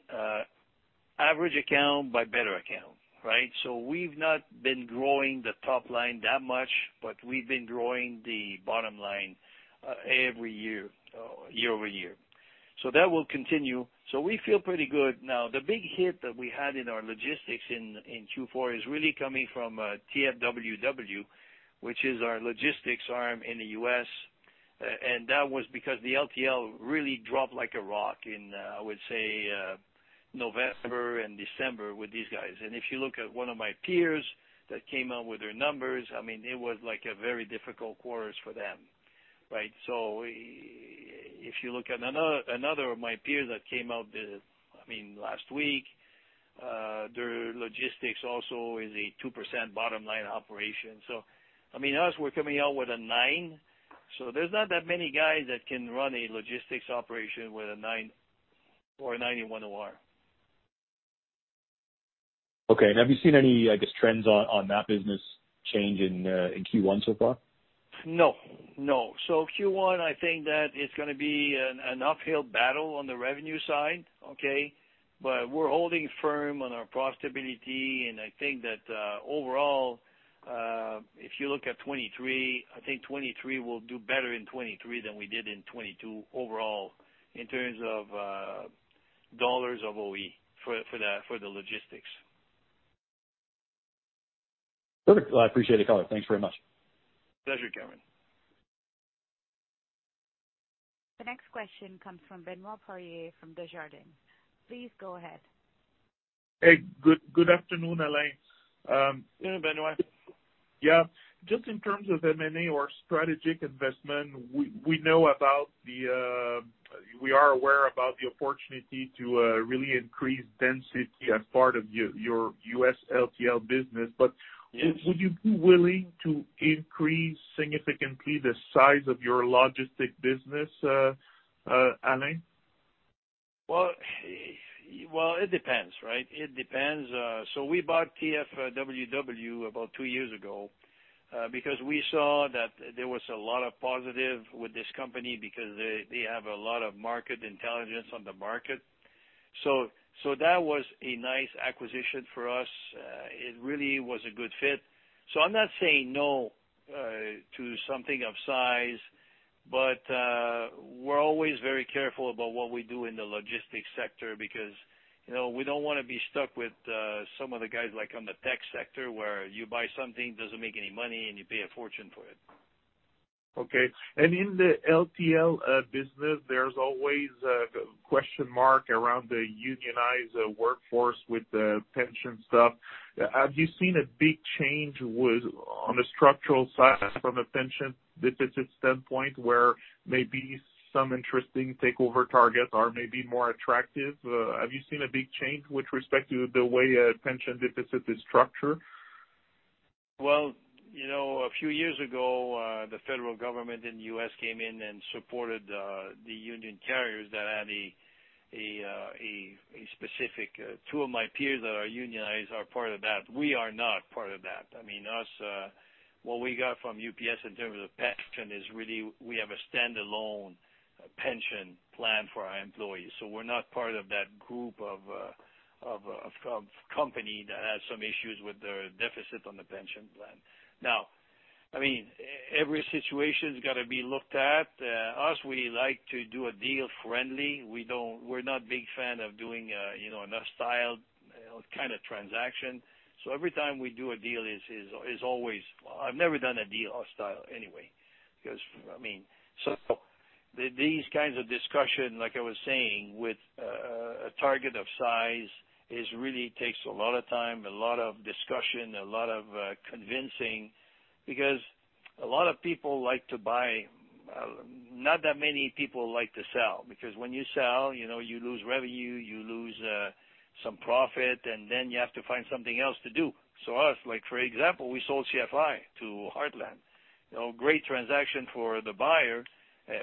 average account by better account, right? We've not been growing the top line that much, but we've been growing the bottom line every year-over-year. That will continue. We feel pretty good. Now, the big hit that we had in our logistics in Q4 is really coming from TFWW, which is our logistics arm in the U.S. That was because the LTL really dropped like a rock in, I would say, November and December with these guys. If you look at one of my peers that came out with their numbers, I mean, it was like a very difficult quarters for them, right? If you look at another of my peers that came out, I mean, last week, their logistics also is a 2% bottom line operation. I mean, us, we're coming out with a 9, there's not that many guys that can run a logistics operation with a 9 or a 9.1 OR. Okay. Have you seen any, I guess, trends on that business change in Q1 so far? No. No. Q1, I think that it's gonna be an uphill battle on the revenue side, okay? We're holding firm on our profitability, I think that overall, if you look at 2023, I think 2023 will do better in 2023 than we did in 2022 overall in terms of $ of OE for the logistics. Perfect. I appreciate the color. Thanks very much. Pleasure, Cameron. The next question comes from Benoit Poirier from Desjardins. Please go ahead. Hey. Good afternoon, Alain. Hey, Benoit. Yeah. Just in terms of M&A or strategic investment, we know about the, we are aware about the opportunity to really increase density as part of your U.S. LTL business. Yes. Would you be willing to increase significantly the size of your logistic business, Alain? Well, it depends, right? It depends. We bought TFWW about two years ago because we saw that there was a lot of positive with this company because they have a lot of market intelligence on the market. That was a nice acquisition for us. It really was a good fit. I'm not saying no to something of size, but we're always very careful about what we do in the logistics sector because, you know, we don't wanna be stuck with some of the guys like on the tech sector, where you buy something, doesn't make any money and you pay a fortune for it. Okay. In the LTL business, there's always a question mark around the unionized workforce with the pension stuff. Have you seen a big change on the structural side from a pension deficit standpoint, where maybe some interesting takeover targets are maybe more attractive? Have you seen a big change with respect to the way a pension deficit is structured? Well, you know, a few years ago, the federal government in the U.S. came in and supported the union carriers that had a specific. Two of my peers that are unionized are part of that. We are not part of that. I mean, us, what we got from UPS in terms of pension is really we have a standalone pension plan for our employees, so we're not part of that group of company that has some issues with the deficit on the pension plan. I mean, every situation's gotta be looked at. Us, we like to do a deal friendly. We're not big fan of doing, you know, enough style kind of transaction. Every time we do a deal is always. I've never done a deal hostile anyway, because, I mean. These kinds of discussion, like I was saying, with a target of size is really takes a lot of time, a lot of discussion, a lot of convincing because a lot of people like to buy. Not that many people like to sell because when you sell, you know, you lose revenue, you lose some profit, and then you have to find something else to do. Us, like for example, we sold CFI to Heartland. You know, great transaction for the buyer,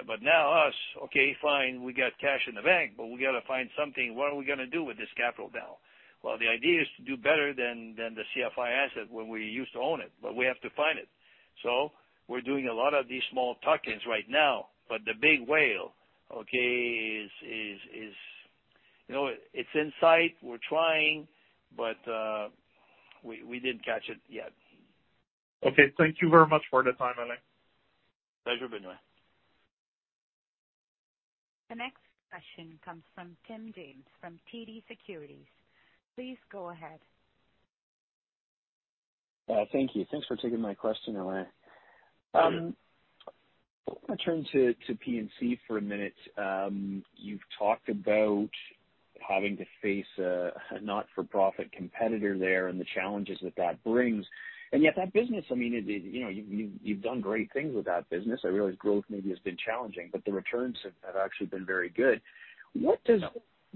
but now us, okay, fine, we got cash in the bank, but we gotta find something. What are we gonna do with this capital now? Well, the idea is to do better than the CFI asset when we used to own it, but we have to find it. We're doing a lot of these small tuck-ins right now, but the big whale, okay, is, you know, it's in sight. We're trying, but we didn't catch it yet. Okay. Thank you very much for the time, Alain Bédard. Pleasure, Benoit. The next question comes from Tim James from TD Securities. Please go ahead. Thank you. Thanks for taking my question, Alain. I wanna turn to PNC for a minute. You've talked about having to face a not-for-profit competitor there and the challenges that that brings. Yet that business, I mean, it, you know, you've done great things with that business. I realize growth maybe has been challenging, but the returns have actually been very good. What does,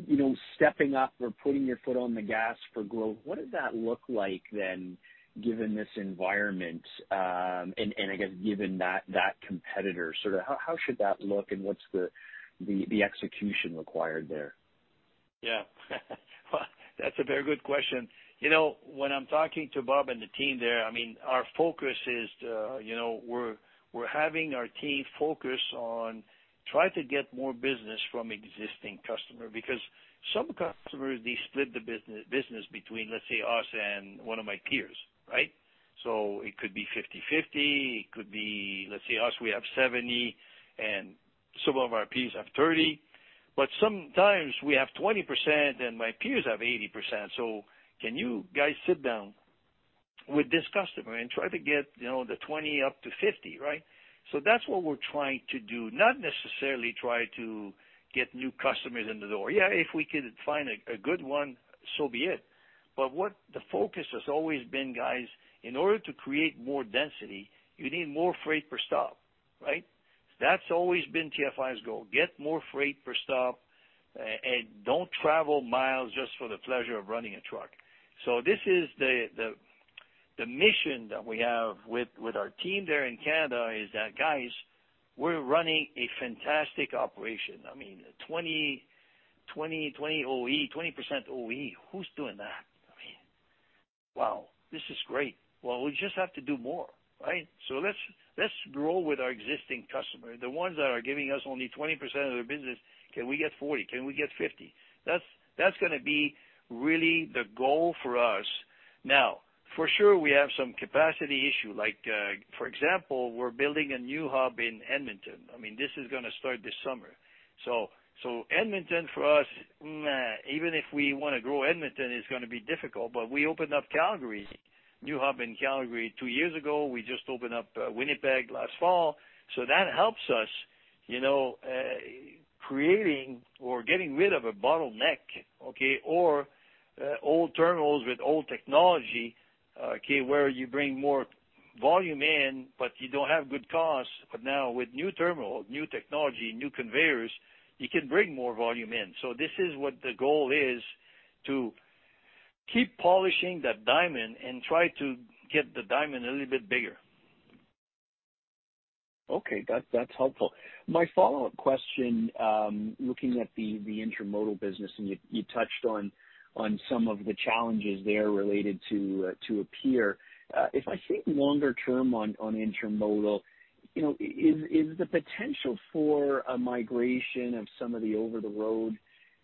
you know, stepping up or putting your foot on the gas for growth, what does that look like then, given this environment, I guess given that competitor? Sort of how should that look and what's the execution required there? Yeah. That's a very good question. You know, when I'm talking to Bob and the team there, I mean, our focus is to, you know, We're having our team focus on try to get more business from existing customer. Because some customers, they split the business between, let's say, us and one of my peers, right? It could be 50/50, it could be, let's say us, we have 70 and some of our peers have 30. Sometimes we have 20% and my peers have 80%. Can you guys sit down with this customer and try to get, you know, the 20 up to 50, right? That's what we're trying to do, not necessarily try to get new customers in the door. Yeah, if we could find a good one, so be it. What the focus has always been, guys, in order to create more density, you need more freight per stop, right? That's always been TFI's goal, get more freight per stop, and don't travel miles just for the pleasure of running a truck. This is the mission that we have with our team there in Canada is that, guys, we're running a fantastic operation. I mean, 20 OE, 20% OE. Who's doing that? I mean, wow, this is great. We just have to do more, right? Let's grow with our existing customer. The ones that are giving us only 20% of their business, can we get 40? Can we get 50? That's gonna be really the goal for us. For sure, we have some capacity issue like, for example, we're building a new hub in Edmonton. I mean, this is gonna start this summer. Edmonton for us, meh. Even if we wanna grow Edmonton, it's gonna be difficult, we opened up Calgary, new hub in Calgary two years ago. We just opened up Winnipeg last fall. That helps us, you know, creating or getting rid of a bottleneck, okay? Old terminals with old technology, okay, where you bring more volume in, but you don't have good costs. Now with new terminal, new technology, new conveyors, you can bring more volume in. This is what the goal is, to keep polishing that diamond and try to get the diamond a little bit bigger. Okay. That's, that's helpful. My follow-up question, looking at the intermodal business, and you touched on some of the challenges there related to a peer. If I think longer term on intermodal, you know, is the potential for a migration of some of the over-the-road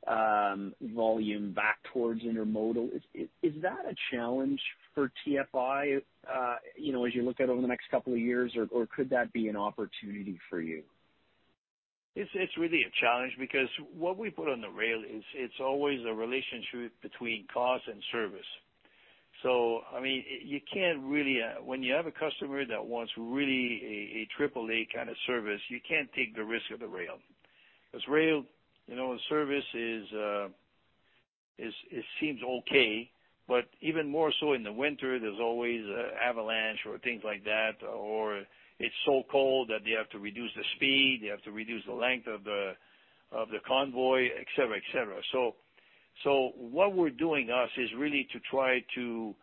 volume back towards intermodal, is that a challenge for TFI, you know, as you look at over the next couple of years, or could that be an opportunity for you? It's really a challenge because what we put on the rail is it's always a relationship between cost and service. I mean, you can't really. When you have a customer that wants really a triple A kinda service, you can't take the risk of the rail. 'Cause rail, you know, service is, it seems okay, but even more so in the winter, there's always a avalanche or things like that, or it's so cold that they have to reduce the speed, they have to reduce the length of the convoy, et cetera, et cetera. What we're doing, us, is really to try to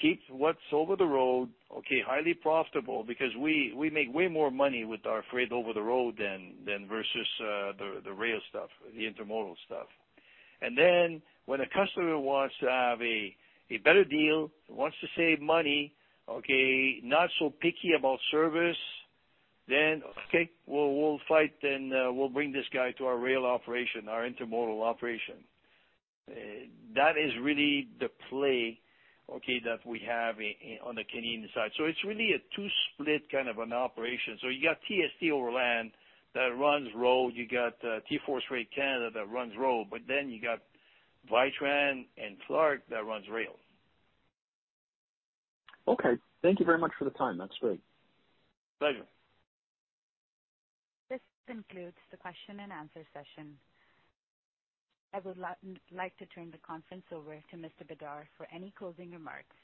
keep what's over the road, okay, highly profitable because we make way more money with our freight over the road than versus the rail stuff, the intermodal stuff. When a customer wants to have a better deal, wants to save money, okay, not so picky about service, then, okay, we'll fight then, we'll bring this guy to our rail operation, our intermodal operation. That is really the play, okay, that we have on the Canadian side. It's really a two-split kind of an operation. You got TST Overland that runs road. You got TForce Freight Canada that runs road. You got Vitran and Clarke that runs rail. Thank you very much for the time. That's great. Pleasure. This concludes the question and answer session. I would like to turn the conference over to Mr. Bédard for any closing remarks.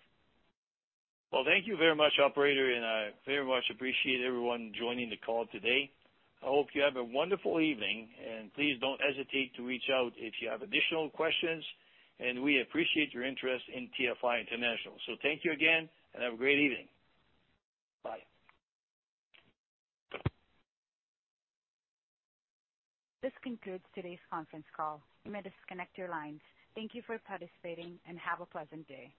Well, thank you very much, operator, and I very much appreciate everyone joining the call today. I hope you have a wonderful evening, and please don't hesitate to reach out if you have additional questions. We appreciate your interest in TFI International. Thank you again, and have a great evening. Bye. This concludes today's conference call. You may disconnect your lines. Thank you for participating, and have a pleasant day.